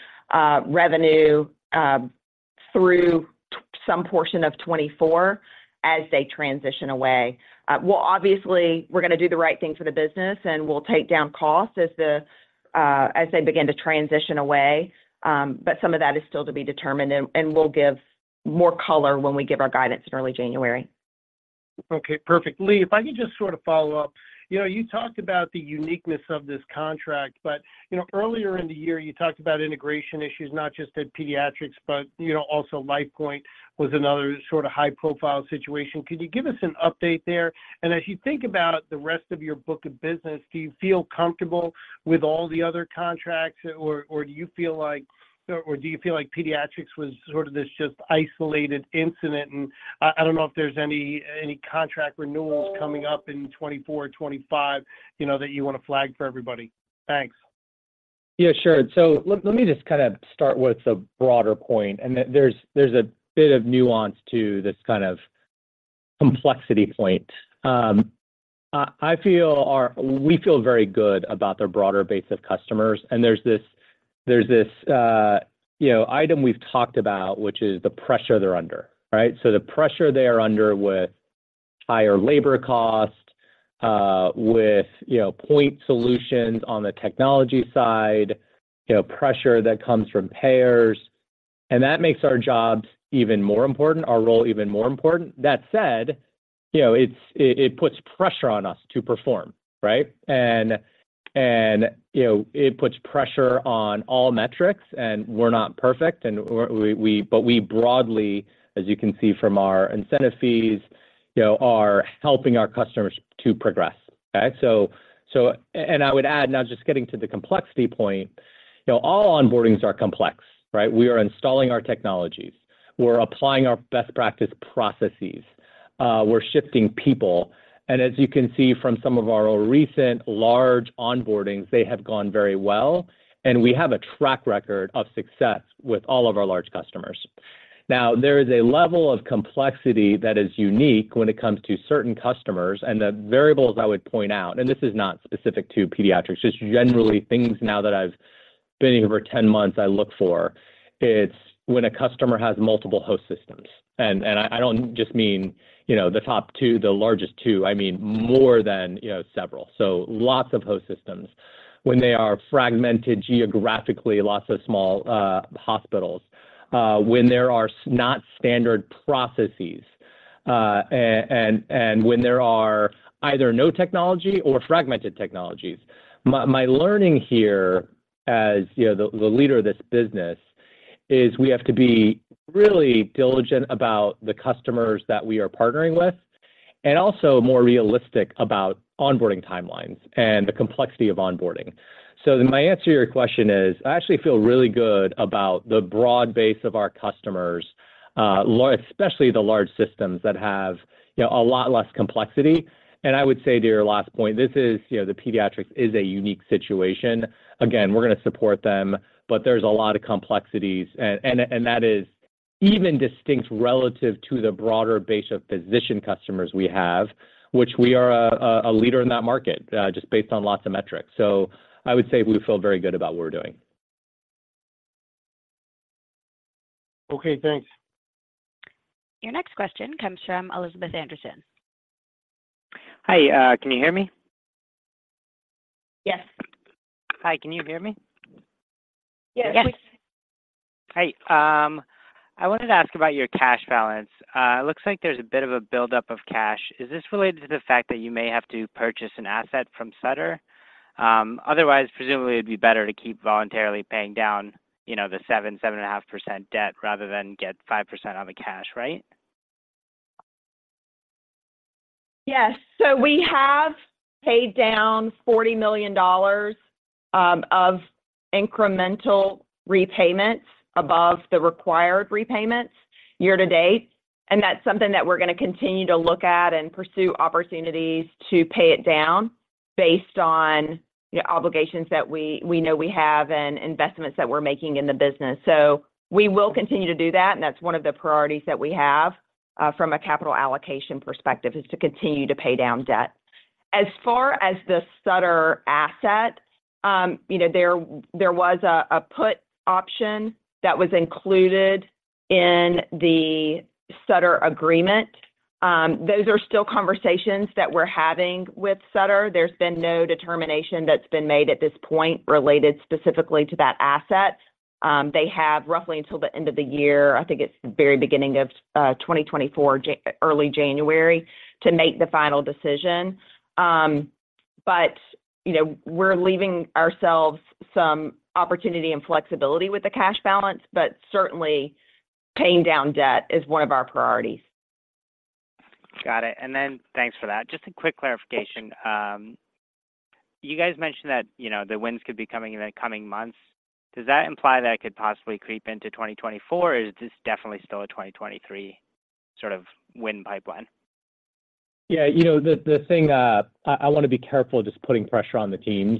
revenue through some portion of 2024 as they transition away. We'll obviously, we're going to do the right thing for the business, and we'll take down costs as the, as they begin to transition away, but some of that is still to be determined, and, and we'll give more color when we give our guidance in early January. Okay, perfect. Lee, if I could just sort of follow up. You know, you talked about the uniqueness of this contract, but, you know, earlier in the year, you talked about integration issues, not just at Pediatrix, but, you know, also LifePoint was another sort of high-profile situation. Could you give us an update there? And as you think about the rest of your book of business, do you feel comfortable with all the other contracts, or do you feel like Pediatrix was sort of this just isolated incident? And I don't know if there's any contract renewals coming up in 2024 or 2025, you know, that you want to flag for everybody. Thanks. Yeah, sure. So let me just kind of start with a broader point, and then there's a bit of nuance to this kind of complexity point. We feel very good about their broader base of customers, and there's this, you know, item we've talked about, which is the pressure they're under, right? So the pressure they are under with higher labor costs, with, you know, point solutions on the technology side, you know, pressure that comes from payers, and that makes our jobs even more important, our role even more important. That said, you know, it puts pressure on us to perform, right? You know, it puts pressure on all metrics, and we're not perfect, but we broadly, as you can see from our incentive fees, you know, are helping our customers to progress. Okay, so and I would add, now, just getting to the complexity point, you know, all onboardings are complex, right? We are installing our technologies. We're applying our best practice processes. We're shifting people, and as you can see from some of our recent large onboardings, they have gone very well, and we have a track record of success with all of our large customers. Now, there is a level of complexity that is unique when it comes to certain customers, and the variables I would point out, and this is not specific to Pediatrix, just generally things now that I've been here for 10 months I look for. It's when a customer has multiple host systems, and I don't just mean, you know, the top two, the largest two, I mean more than, you know, several. So lots of host systems. When they are fragmented geographically, lots of small hospitals, when there are not standard processes, and when there are either no technology or fragmented technologies. My learning here as, you know, the leader of this business is we have to be really diligent about the customers that we are partnering with, and also more realistic about onboarding timelines and the complexity of onboarding. So my answer to your question is, I actually feel really good about the broad base of our customers, especially the large systems that have, you know, a lot less complexity. And I would say to your last point, this is, you know, the Pediatrix is a unique situation. Again, we're going to support them, but there's a lot of complexities, and that is even distinct relative to the broader base of physician customers we have, which we are a leader in that market, just based on lots of metrics. So I would say we feel very good about what we're doing. Okay, thanks. Your next question comes from Elizabeth Anderson. Hi, can you hear me? Yes. Hi, can you hear me? Yes. Hi, I wanted to ask about your cash balance. It looks like there's a bit of a buildup of cash. Is this related to the fact that you may have to purchase an asset from Sutter? Otherwise, presumably, it'd be better to keep voluntarily paying down, you know, the 7%, 7.5% debt rather than get 5% on the cash, right? Yes, so we have paid down $40 million of incremental repayments above the required repayments year to date, and that's something that we're gonna continue to look at and pursue opportunities to pay it down based on the obligations that we know we have and investments that we're making in the business. So we will continue to do that, and that's one of the priorities that we have from a capital allocation perspective, is to continue to pay down debt. As far as the Sutter asset, you know, there was a put option that was included in the Sutter agreement. Those are still conversations that we're having with Sutter. There's been no determination that's been made at this point related specifically to that asset. They have roughly until the end of the year, I think it's the very beginning of 2024, early January, to make the final decision. But, you know, we're leaving ourselves some opportunity and flexibility with the cash balance, but certainly, paying down debt is one of our priorities. Got it. And then thanks for that. Just a quick clarification. You guys mentioned that, you know, the wins could be coming in the coming months. Does that imply that it could possibly creep into 2024, or is this definitely still a 2023 sort of win pipeline? Yeah, you know, the thing, I wanna be careful just putting pressure on the teams.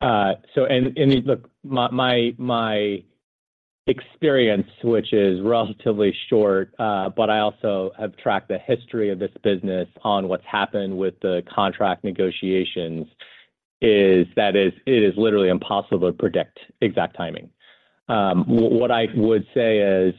And look, my experience, which is relatively short, but I also have tracked the history of this business on what's happened with the contract negotiations, is that it is literally impossible to predict exact timing. What I would say is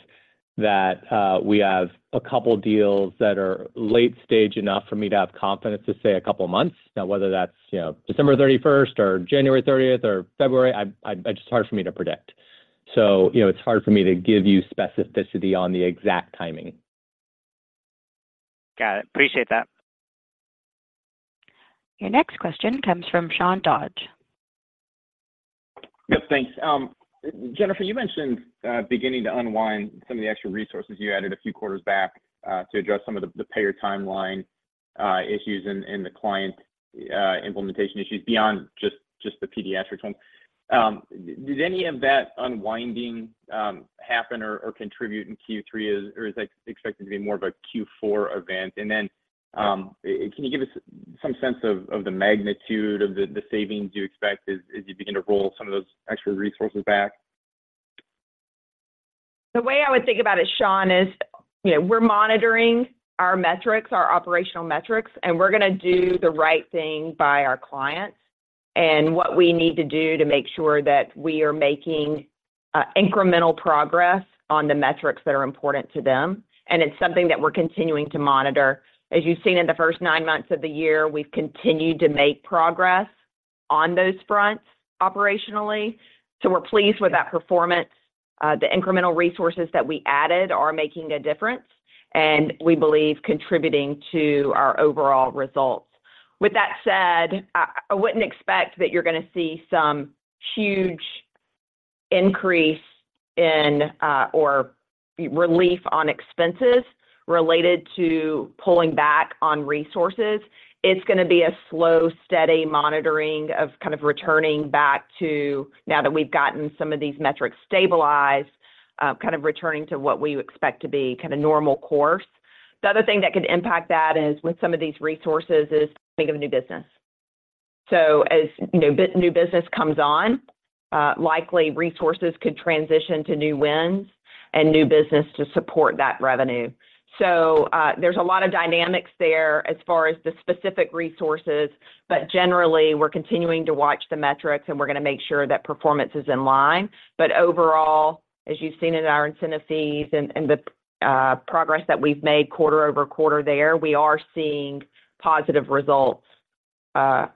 that we have a couple deals that are late stage enough for me to have confidence to say a couple of months. Now, whether that's, you know, December 31st or January 30th or February, it's just hard for me to predict. So, you know, it's hard for me to give you specificity on the exact timing. Got it. Appreciate that. Your next question comes from Sean Dodge. Yes, thanks. Jennifer, you mentioned beginning to unwind some of the extra resources you added a few quarters back to address some of the payer timeline issues and the client implementation issues beyond just the pediatric one. Did any of that unwinding happen or contribute in Q3, or is that expected to be more of a Q4 event? And then, can you give us some sense of the magnitude of the savings you expect as you begin to roll some of those extra resources back? The way I would think about it, Sean, is, you know, we're monitoring our metrics, our operational metrics, and we're gonna do the right thing by our clients and what we need to do to make sure that we are making incremental progress on the metrics that are important to them. And it's something that we're continuing to monitor. As you've seen in the first 9 months of the year, we've continued to make progress on those fronts operationally, so we're pleased with that performance. The incremental resources that we added are making a difference, and we believe contributing to our overall results. With that said, I wouldn't expect that you're gonna see some huge increase in or relief on expenses related to pulling back on resources. It's gonna be a slow, steady monitoring of kind of returning back to now that we've gotten some of these metrics stabilized, kind of returning to what we expect to be kind of normal course. The other thing that could impact that is, with some of these resources, is think of new business. So as, you know, new business comes on, likely resources could transition to new wins and new business to support that revenue. So, there's a lot of dynamics there as far as the specific resources, but generally, we're continuing to watch the metrics, and we're gonna make sure that performance is in line. But overall, as you've seen in our incentive fees and, and the, progress that we've made quarter-over-quarter there, we are seeing positive results,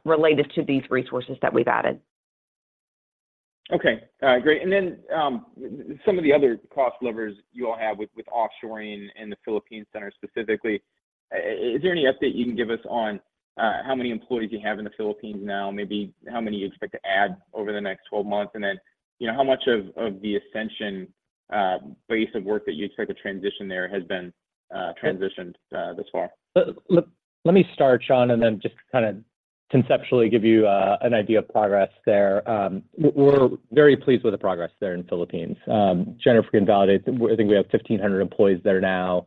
related to these resources that we've added. Okay. Great. And then, some of the other cost levers you all have with offshoring and the Philippines center specifically, is there any update you can give us on how many employees you have in the Philippines now? Maybe how many you expect to add over the next 12 months, and then, you know, how much of the Ascension base of work that you expect to transition there has been transitioned thus far? Let me start, Sean, and then just kind of conceptually give you an idea of progress there. We're very pleased with the progress there in Philippines. Jennifer, can validate, I think we have 1,500 employees there now,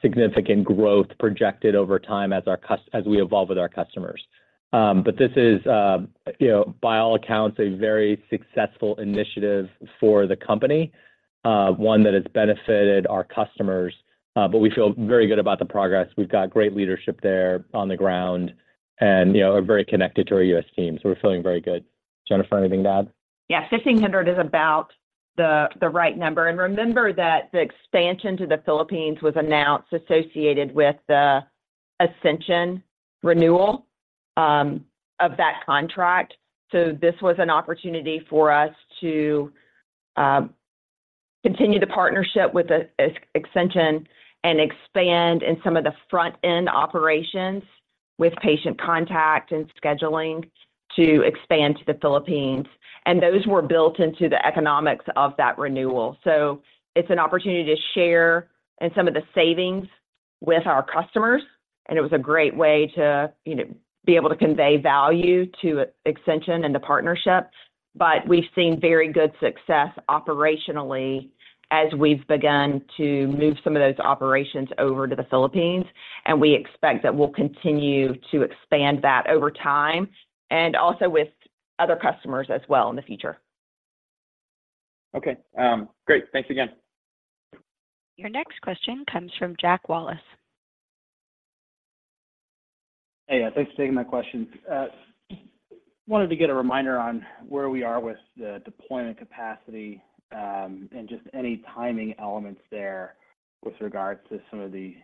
significant growth projected over time as we evolve with our customers. But this is, you know, by all accounts, a very successful initiative for the company, one that has benefited our customers, but we feel very good about the progress. We've got great leadership there on the ground, and, you know, are very connected to our U.S. team, so we're feeling very good. Jennifer, anything to add? Yeah, 1,500 is about the right number. And remember that the expansion to the Philippines was announced associated with the Ascension renewal of that contract. So this was an opportunity for us to continue the partnership with the Ascension and expand in some of the front-end operations with patient contact and scheduling to expand to the Philippines, and those were built into the economics of that renewal. So it's an opportunity to share in some of the savings with our customers, and it was a great way to, you know, be able to convey value to Ascension and the partnership. But we've seen very good success operationally as we've begun to move some of those operations over to the Philippines, and we expect that we'll continue to expand that over time, and also with other customers as well in the future. Okay, great. Thanks again. Your next question comes from Jack Wallace. Hey, thanks for taking my question. Wanted to get a reminder on where we are with the deployment capacity, and just any timing elements there with regards to some of the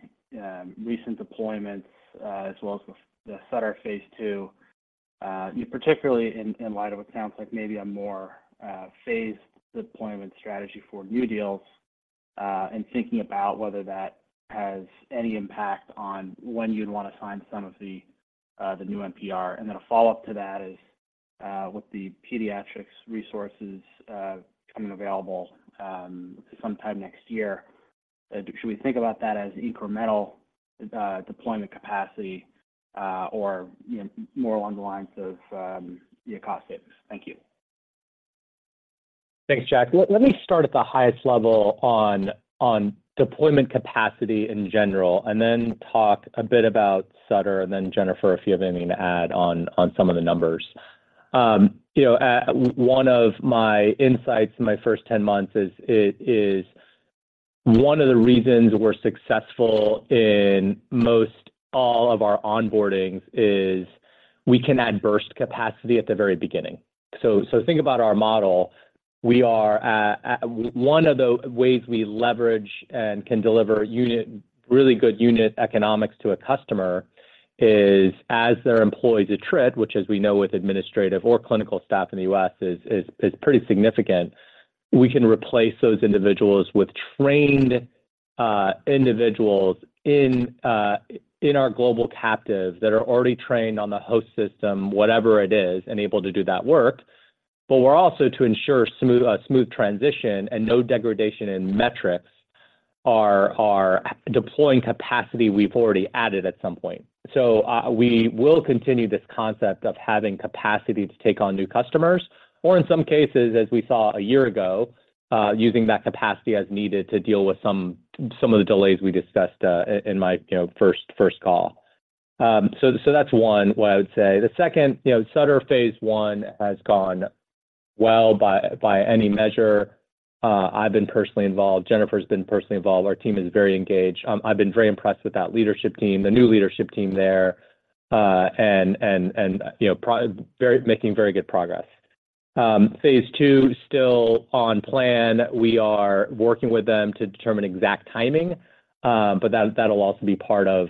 recent deployments, as well as the Sutter Phase 2. Particularly in light of what sounds like maybe a more phased deployment strategy for new deals, and thinking about whether that has any impact on when you'd want to sign some of the new NPR. And then a follow-up to that is, with the Pediatrix resources coming available sometime next year, should we think about that as incremental deployment capacity, or, you know, more along the lines of the cost savings? Thank you. Thanks, Jack. Let me start at the highest level on deployment capacity in general, and then talk a bit about Sutter, and then Jennifer, if you have anything to add on some of the numbers. You know, one of my insights in my first 10 months is, it is one of the reasons we're successful in most all of our onboardings is we can add burst capacity at the very beginning. So think about our model. We are. One of the ways we leverage and can deliver unit, really good unit economics to a customer is as their employees attrit, which, as we know, with administrative or clinical staff in the U.S., is pretty significant, we can replace those individuals with trained individuals in our global captive that are already trained on the host system, whatever it is, and able to do that work. But we're also to ensure a smooth transition and no degradation in metrics are deploying capacity we've already added at some point. So, we will continue this concept of having capacity to take on new customers, or in some cases, as we saw a year ago, using that capacity as needed to deal with some of the delays we discussed, in my, you know, first call. So, so that's one, what I would say. The second, you know, Sutter Phase 1 has gone well by any measure. I've been personally involved. Jennifer's been personally involved. Our team is very engaged. I've been very impressed with that leadership team, the new leadership team there, you know, making very good progress. Phase 2, still on plan. We are working with them to determine exact timing, but that, that'll also be part of,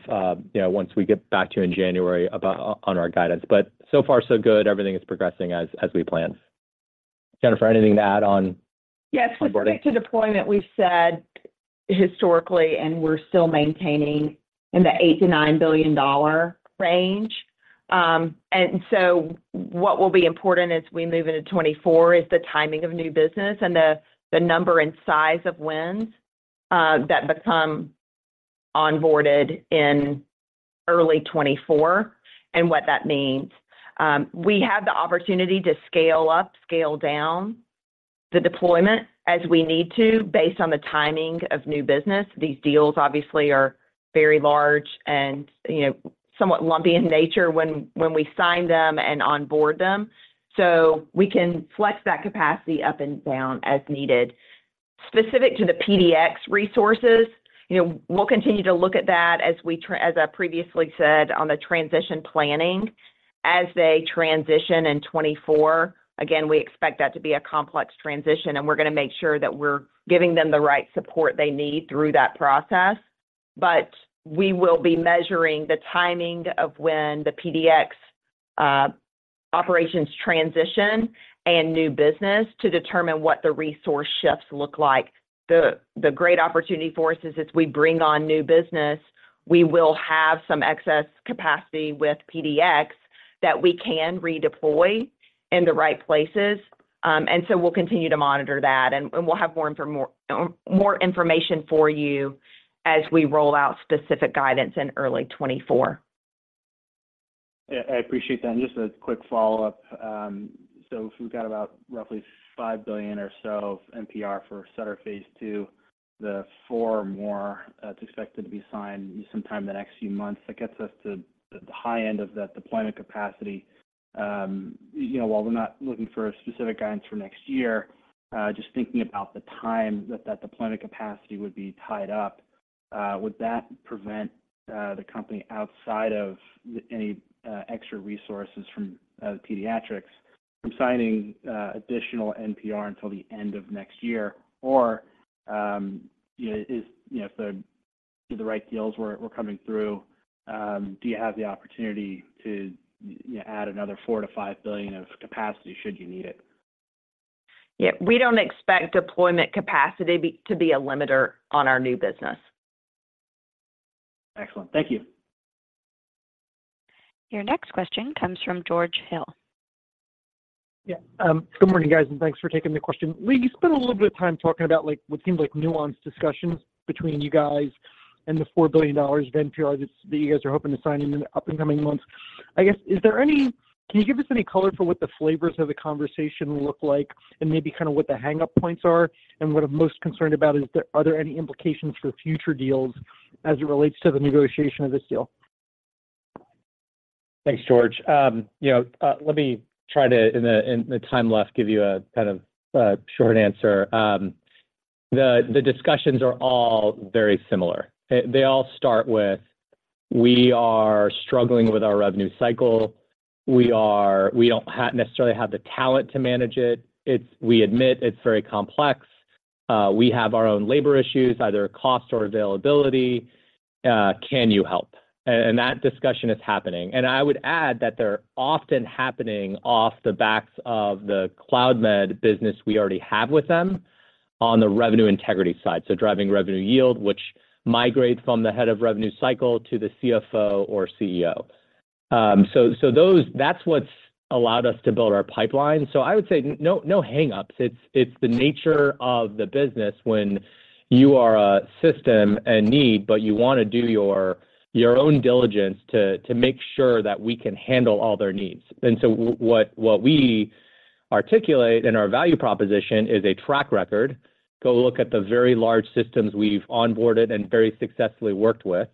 you know, once we get back to you in January about on our guidance. But so far, so good. Everything is progressing as we planned. Jennifer, anything to add on. Yes, with respect to deployment, we've said historically, and we're still maintaining in the $8 billion-$9 billion range. And so what will be important as we move into 2024 is the timing of new business and the number and size of wins that become onboarded in early 2024 and what that means. We have the opportunity to scale up, scale down the deployment as we need to, based on the timing of new business. These deals obviously are very large and, you know, somewhat lumpy in nature when we sign them and onboard them. So we can flex that capacity up and down as needed. Specific to the PDX resources, you know, we'll continue to look at that as I previously said, on the transition planning, as they transition in 2024. Again, we expect that to be a complex transition, and we're gonna make sure that we're giving them the right support they need through that process. But we will be measuring the timing of when the PDX operations transition and new business to determine what the resource shifts look like. The great opportunity for us is as we bring on new business, we will have some excess capacity with PDX that we can redeploy in the right places. And so we'll continue to monitor that, and we'll have more information for you as we roll out specific guidance in early 2024. Yeah, I appreciate that. And just a quick follow-up. So if we've got about roughly $5 billion or so of NPR for Sutter Phase 2, the $4 billion more that's expected to be signed sometime in the next few months, that gets us to the high end of that deployment capacity. You know, while we're not looking for a specific guidance for next year, just thinking about the time that that deployment capacity would be tied up, would that prevent the company outside of any extra resources from Pediatrix from signing additional NPR until the end of next year? Or, you know, is, you know, if the right deals were coming through, do you have the opportunity to, you know, add another $4 billion-$5 billion of capacity, should you need it? Yeah, we don't expect deployment capacity to be a limiter on our new business. Excellent. Thank you. Your next question comes from George Hill. Yeah, good morning, guys, and thanks for taking the question. Lee, you spent a little bit of time talking about, like, what seemed like nuanced discussions between you guys and the $4 billion of NPR that you guys are hoping to sign in the up and coming months. I guess, is there any—Can you give us any color for what the flavors of the conversation look like, and maybe kind of what the hang-up points are? And what I'm most concerned about, is there, are there any implications for future deals as it relates to the negotiation of this deal? Thanks, George. You know, let me try to, in the time left, give you a kind of short answer. The discussions are all very similar. They all start with, "We are struggling with our revenue cycle. We don't necessarily have the talent to manage it. It's very complex. We have our own labor issues, either cost or availability. Can you help?" And that discussion is happening. And I would add that they're often happening off the backs of the Cloudmed business we already have with them on the revenue integrity side. So driving revenue yield, which migrates from the head of revenue cycle to the CFO or CEO. So that's what's allowed us to build our pipeline. So I would say no, no hang-ups. It's, it's the nature of the business when you are a system in need, but you want to do your, your own diligence to, to make sure that we can handle all their needs. And so what, what we articulate in our value proposition is a track record. Go look at the very large systems we've onboarded and very successfully worked with.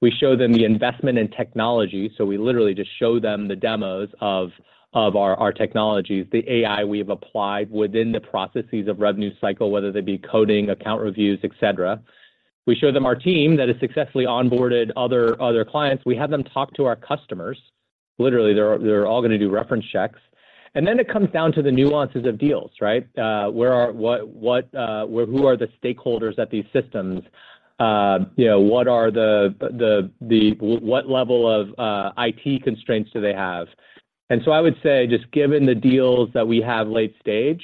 We show them the investment in technology, so we literally just show them the demos of, of our technologies, the AI we've applied within the processes of revenue cycle, whether they be coding, account reviews, et cetera. We show them our team that has successfully onboarded other, other clients. We have them talk to our customers. Literally, they're, they're all going to do reference checks. And then it comes down to the nuances of deals, right? Who are the stakeholders at these systems? You know, what level of IT constraints do they have? And so I would say, just given the deals that we have late stage,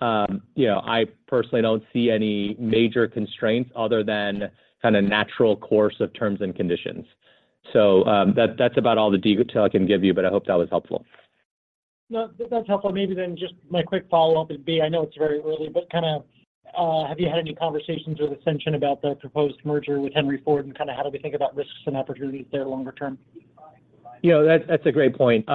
you know, I personally don't see any major constraints other than kind of natural course of terms and conditions. So, that's about all the detail I can give you, but I hope that was helpful. No, that's helpful. Maybe then just my quick follow-up would be, I know it's very early, but kind of, have you had any conversations with Ascension about the proposed merger with Henry Ford, and kind of how do we think about risks and opportunities there longer term? You know, that's a great point.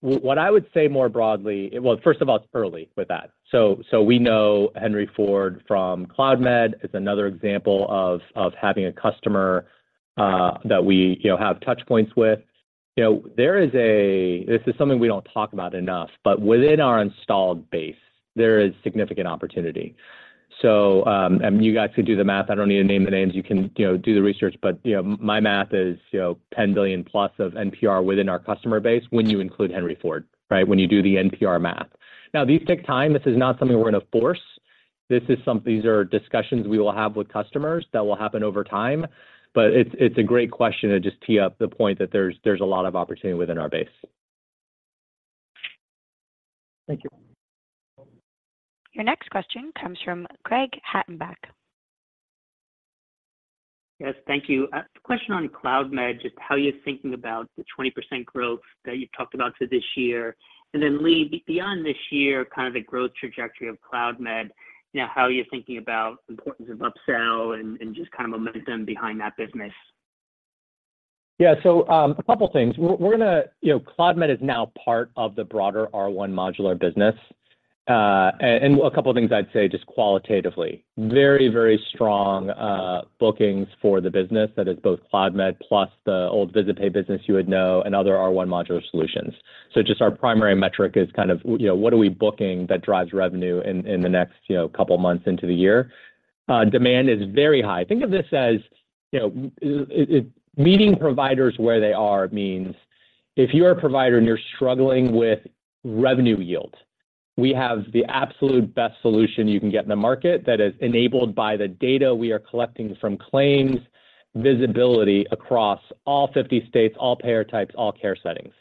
What I would say more broadly, well, first of all, it's early with that. So, we know Henry Ford from Cloudmed. It's another example of having a customer that we, you know, have touch points with. You know, there is a, this is something we don't talk about enough, but within our installed base, there is significant opportunity. So, and you guys could do the math. I don't need to name the names. You can, you know, do the research, but, you know, my math is $10 billion+ of NPR within our customer base when you include Henry Ford, right? When you do the NPR math. Now, these take time. This is not something we're going to force. These are discussions we will have with customers that will happen over time. But it's a great question to just tee up the point that there's a lot of opportunity within our base. Thank you. Your next question comes from Craig Hettenbach. Yes, thank you. Question on Cloudmed, just how you're thinking about the 20% growth that you talked about for this year. And then, Lee, beyond this year, kind of the growth trajectory of Cloudmed, you know, how you're thinking about importance of upsell and just kind of momentum behind that business. Yeah, so, a couple of things. We're, we're going to-- You know, Cloudmed is now part of the broader R1 modular business. And a couple of things I'd say just qualitatively, very, very strong bookings for the business. That is both Cloudmed plus the old VisitPay business you would know and other R1 modular solutions. So just our primary metric is kind of, you know, what are we booking that drives revenue in the next, you know, couple of months into the year? Demand is very high. Think of this as, you know, meeting providers where they are, means if you are a provider and you're struggling with revenue yield, we have the absolute best solution you can get in the market that is enabled by the data we are collecting from claims, visibility across all 50 states, all payer types, all care settings.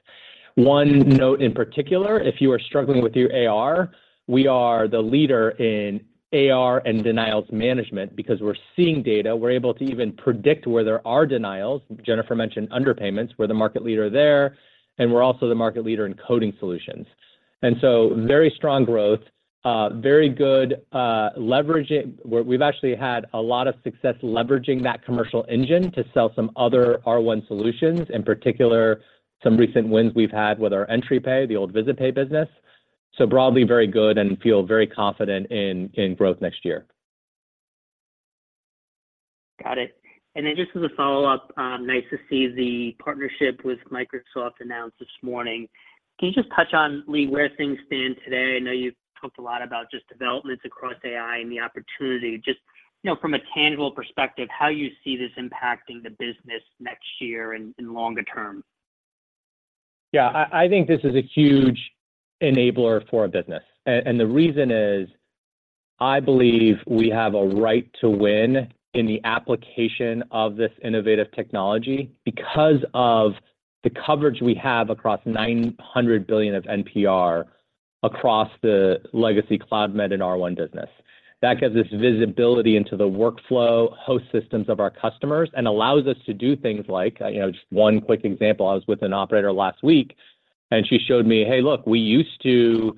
One note in particular, if you are struggling with your AR, we are the leader in AR and denials management. Because we're seeing data, we're able to even predict where there are denials. Jennifer mentioned underpayments, we're the market leader there, and we're also the market leader in coding solutions. And so very strong growth, very good leveraging. We've actually had a lot of success leveraging that commercial engine to sell some other R1 solutions, in particular, some recent wins we've had with our Entri Pay, the old VisitPay business. So broadly, very good and feel very confident in growth next year. Got it. And then just as a follow-up, nice to see the partnership with Microsoft announced this morning. Can you just touch on, Lee, where things stand today? I know you've talked a lot about just developments across AI and the opportunity. Just, you know, from a tangible perspective, how you see this impacting the business next year and longer term. Yeah, I think this is a huge enabler for our business, and the reason is. I believe we have a right to win in the application of this innovative technology because of the coverage we have across $900 billion of NPR across the legacy Cloudmed and R1 business. That gives us visibility into the workflow host systems of our customers and allows us to do things like, you know, just one quick example: I was with an operator last week, and she showed me, "Hey, look, we used to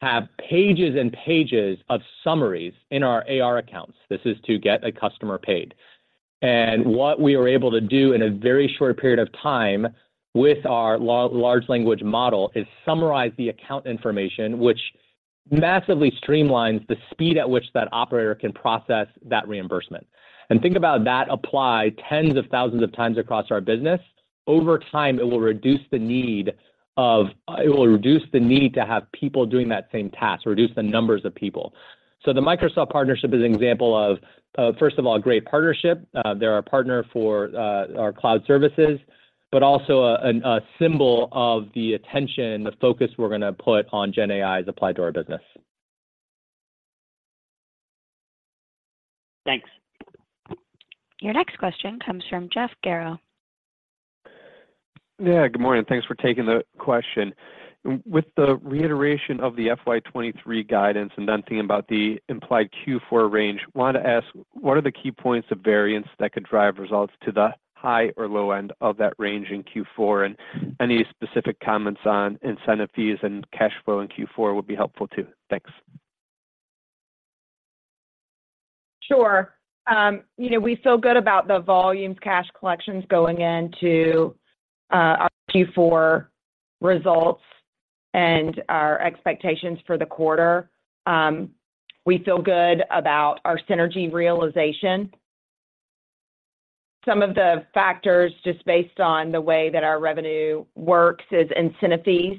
have pages and pages of summaries in our AR accounts." This is to get a customer paid. And what we were able to do in a very short period of time with our large language model is summarize the account information, which massively streamlines the speed at which that operator can process that reimbursement. And think about that applied tens of thousands of times across our business. Over time, it will reduce the need to have people doing that same task, reduce the numbers of people. So the Microsoft partnership is an example of, first of all, a great partnership. They're our partner for our cloud services, but also a symbol of the attention, the focus we're going to put on GenAI as applied to our business. Thanks. Your next question comes from Jeff Garro. Yeah, good morning, thanks for taking the question. With the reiteration of the FY 2023 guidance and then thinking about the implied Q4 range, want to ask, what are the key points of variance that could drive results to the high or low end of that range in Q4? Any specific comments on incentive fees and cash flow in Q4 would be helpful too. Thanks. Sure. You know, we feel good about the volume cash collections going into our Q4 results and our expectations for the quarter. We feel good about our synergy realization. Some of the factors, just based on the way that our revenue works, is incentive fees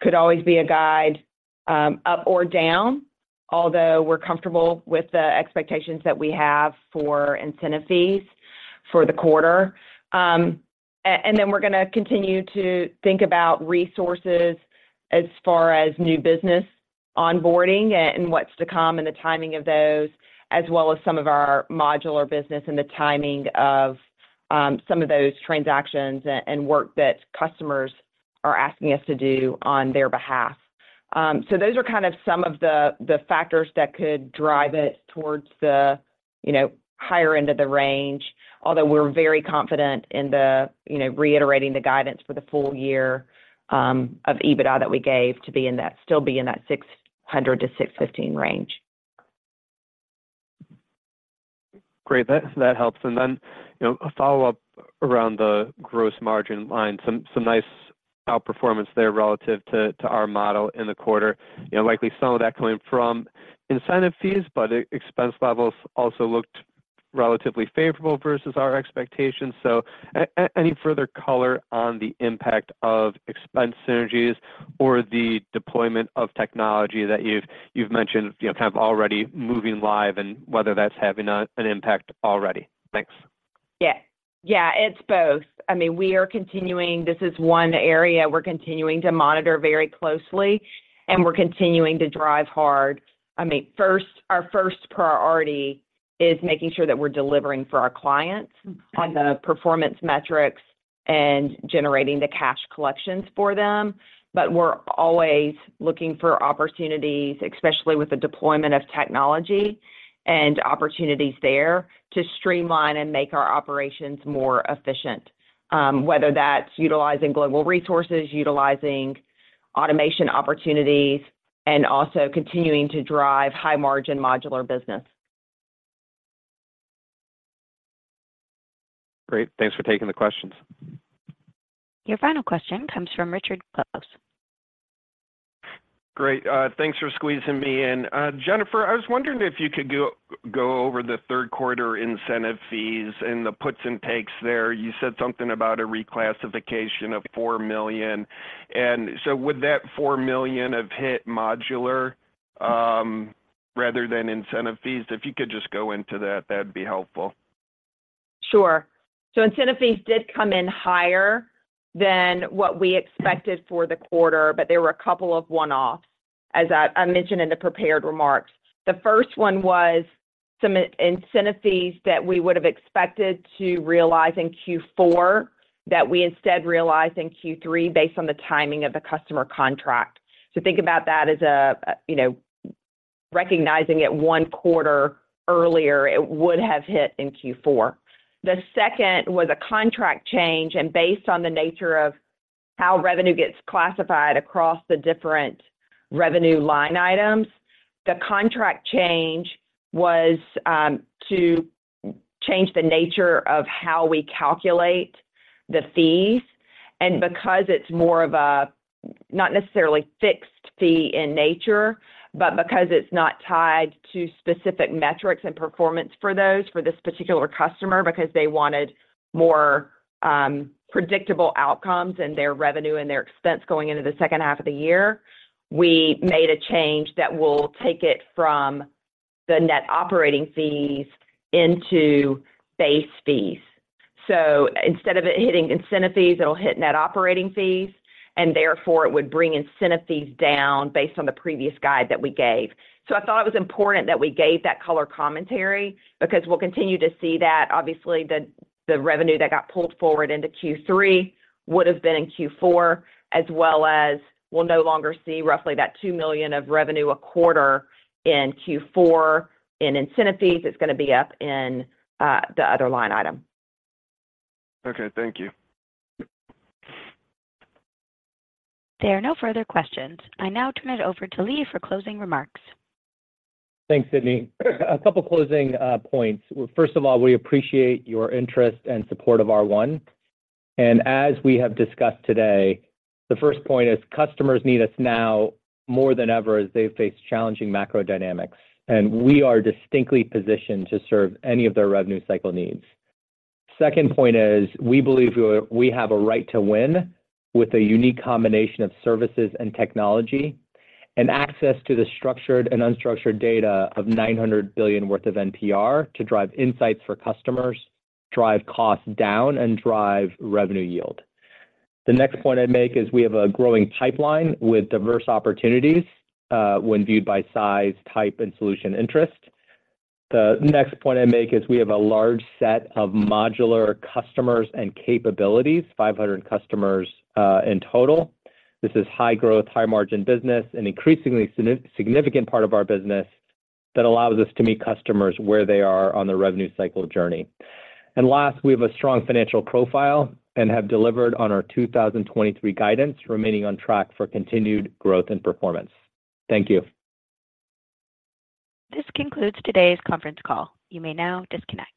could always be a guide up or down, although we're comfortable with the expectations that we have for incentive fees for the quarter. And then we're gonna continue to think about resources as far as new business onboarding and what's to come and the timing of those, as well as some of our modular business and the timing of some of those transactions and work that customers are asking us to do on their behalf. Those are kind of some of the factors that could drive it towards the higher end of the range, although we're very confident in reiterating the guidance for the full year, you know, of EBITDA that we gave to be in that, still be in that $600 million-$615 million range. Great, that helps. And then, you know, a follow-up around the gross margin line. Some nice outperformance there relative to our model in the quarter. You know, likely some of that coming from incentive fees, but expense levels also looked relatively favorable versus our expectations. So any further color on the impact of expense synergies or the deployment of technology that you've mentioned, you know, kind of already moving live and whether that's having an impact already? Thanks. Yeah. Yeah, it's both. I mean, we are continuing. This is one area we're continuing to monitor very closely, and we're continuing to drive hard. I mean, first, our first priority is making sure that we're delivering for our clients on the performance metrics and generating the cash collections for them. But we're always looking for opportunities, especially with the deployment of technology, and opportunities there to streamline and make our operations more efficient. Whether that's utilizing global resources, utilizing automation opportunities, and also continuing to drive high-margin modular business. Great, thanks for taking the questions. Your final question comes from Richard Close. Great, thanks for squeezing me in. Jennifer, I was wondering if you could go over the third quarter incentive fees and the puts and takes there. You said something about a reclassification of $4 million, and so would that $4 million have hit modular, rather than incentive fees? If you could just go into that, that'd be helpful. Sure. So incentive fees did come in higher than what we expected for the quarter, but there were a couple of one-offs, as I mentioned in the prepared remarks. The first one was some incentive fees that we would have expected to realize in Q4 that we instead realized in Q3 based on the timing of the customer contract. So think about that as a, you know, recognizing it one quarter earlier, it would have hit in Q4. The second was a contract change, and based on the nature of how revenue gets classified across the different revenue line items, the contract change was to change the nature of how we calculate the fees. And because it's more of a, not necessarily fixed fee in nature, but because it's not tied to specific metrics and performance for those, for this particular customer, because they wanted more predictable outcomes in their revenue and their expense going into the second half of the year, we made a change that will take it from the net operating fees into base fees. So instead of it hitting incentive fees, it'll hit net operating fees, and therefore it would bring incentive fees down based on the previous guide that we gave. So I thought it was important that we gave that color commentary, because we'll continue to see that. Obviously, the revenue that got pulled forward into Q3 would have been in Q4, as well as we'll no longer see roughly that $2 million of revenue a quarter in Q4 in incentive fees. It's gonna be up in the other line item. Okay, thank you. There are no further questions. I now turn it over to Lee for closing remarks. Thanks, Sydney. A couple closing points. First of all, we appreciate your interest and support of R1. And as we have discussed today, the first point is customers need us now more than ever as they face challenging macro dynamics, and we are distinctly positioned to serve any of their revenue cycle needs. Second point is, we believe we have a right to win with a unique combination of services and technology, and access to the structured and unstructured data of $900 billion worth of NPR to drive insights for customers, drive costs down, and drive revenue yield. The next point I'd make is we have a growing pipeline with diverse opportunities, when viewed by size, type, and solution interest. The next point I'd make is we have a large set of modular customers and capabilities, 500 customers in total. This is high growth, high margin business, an increasingly significant part of our business that allows us to meet customers where they are on their revenue cycle journey. And last, we have a strong financial profile and have delivered on our 2023 guidance, remaining on track for continued growth and performance. Thank you. This concludes today's conference call. You may now disconnect.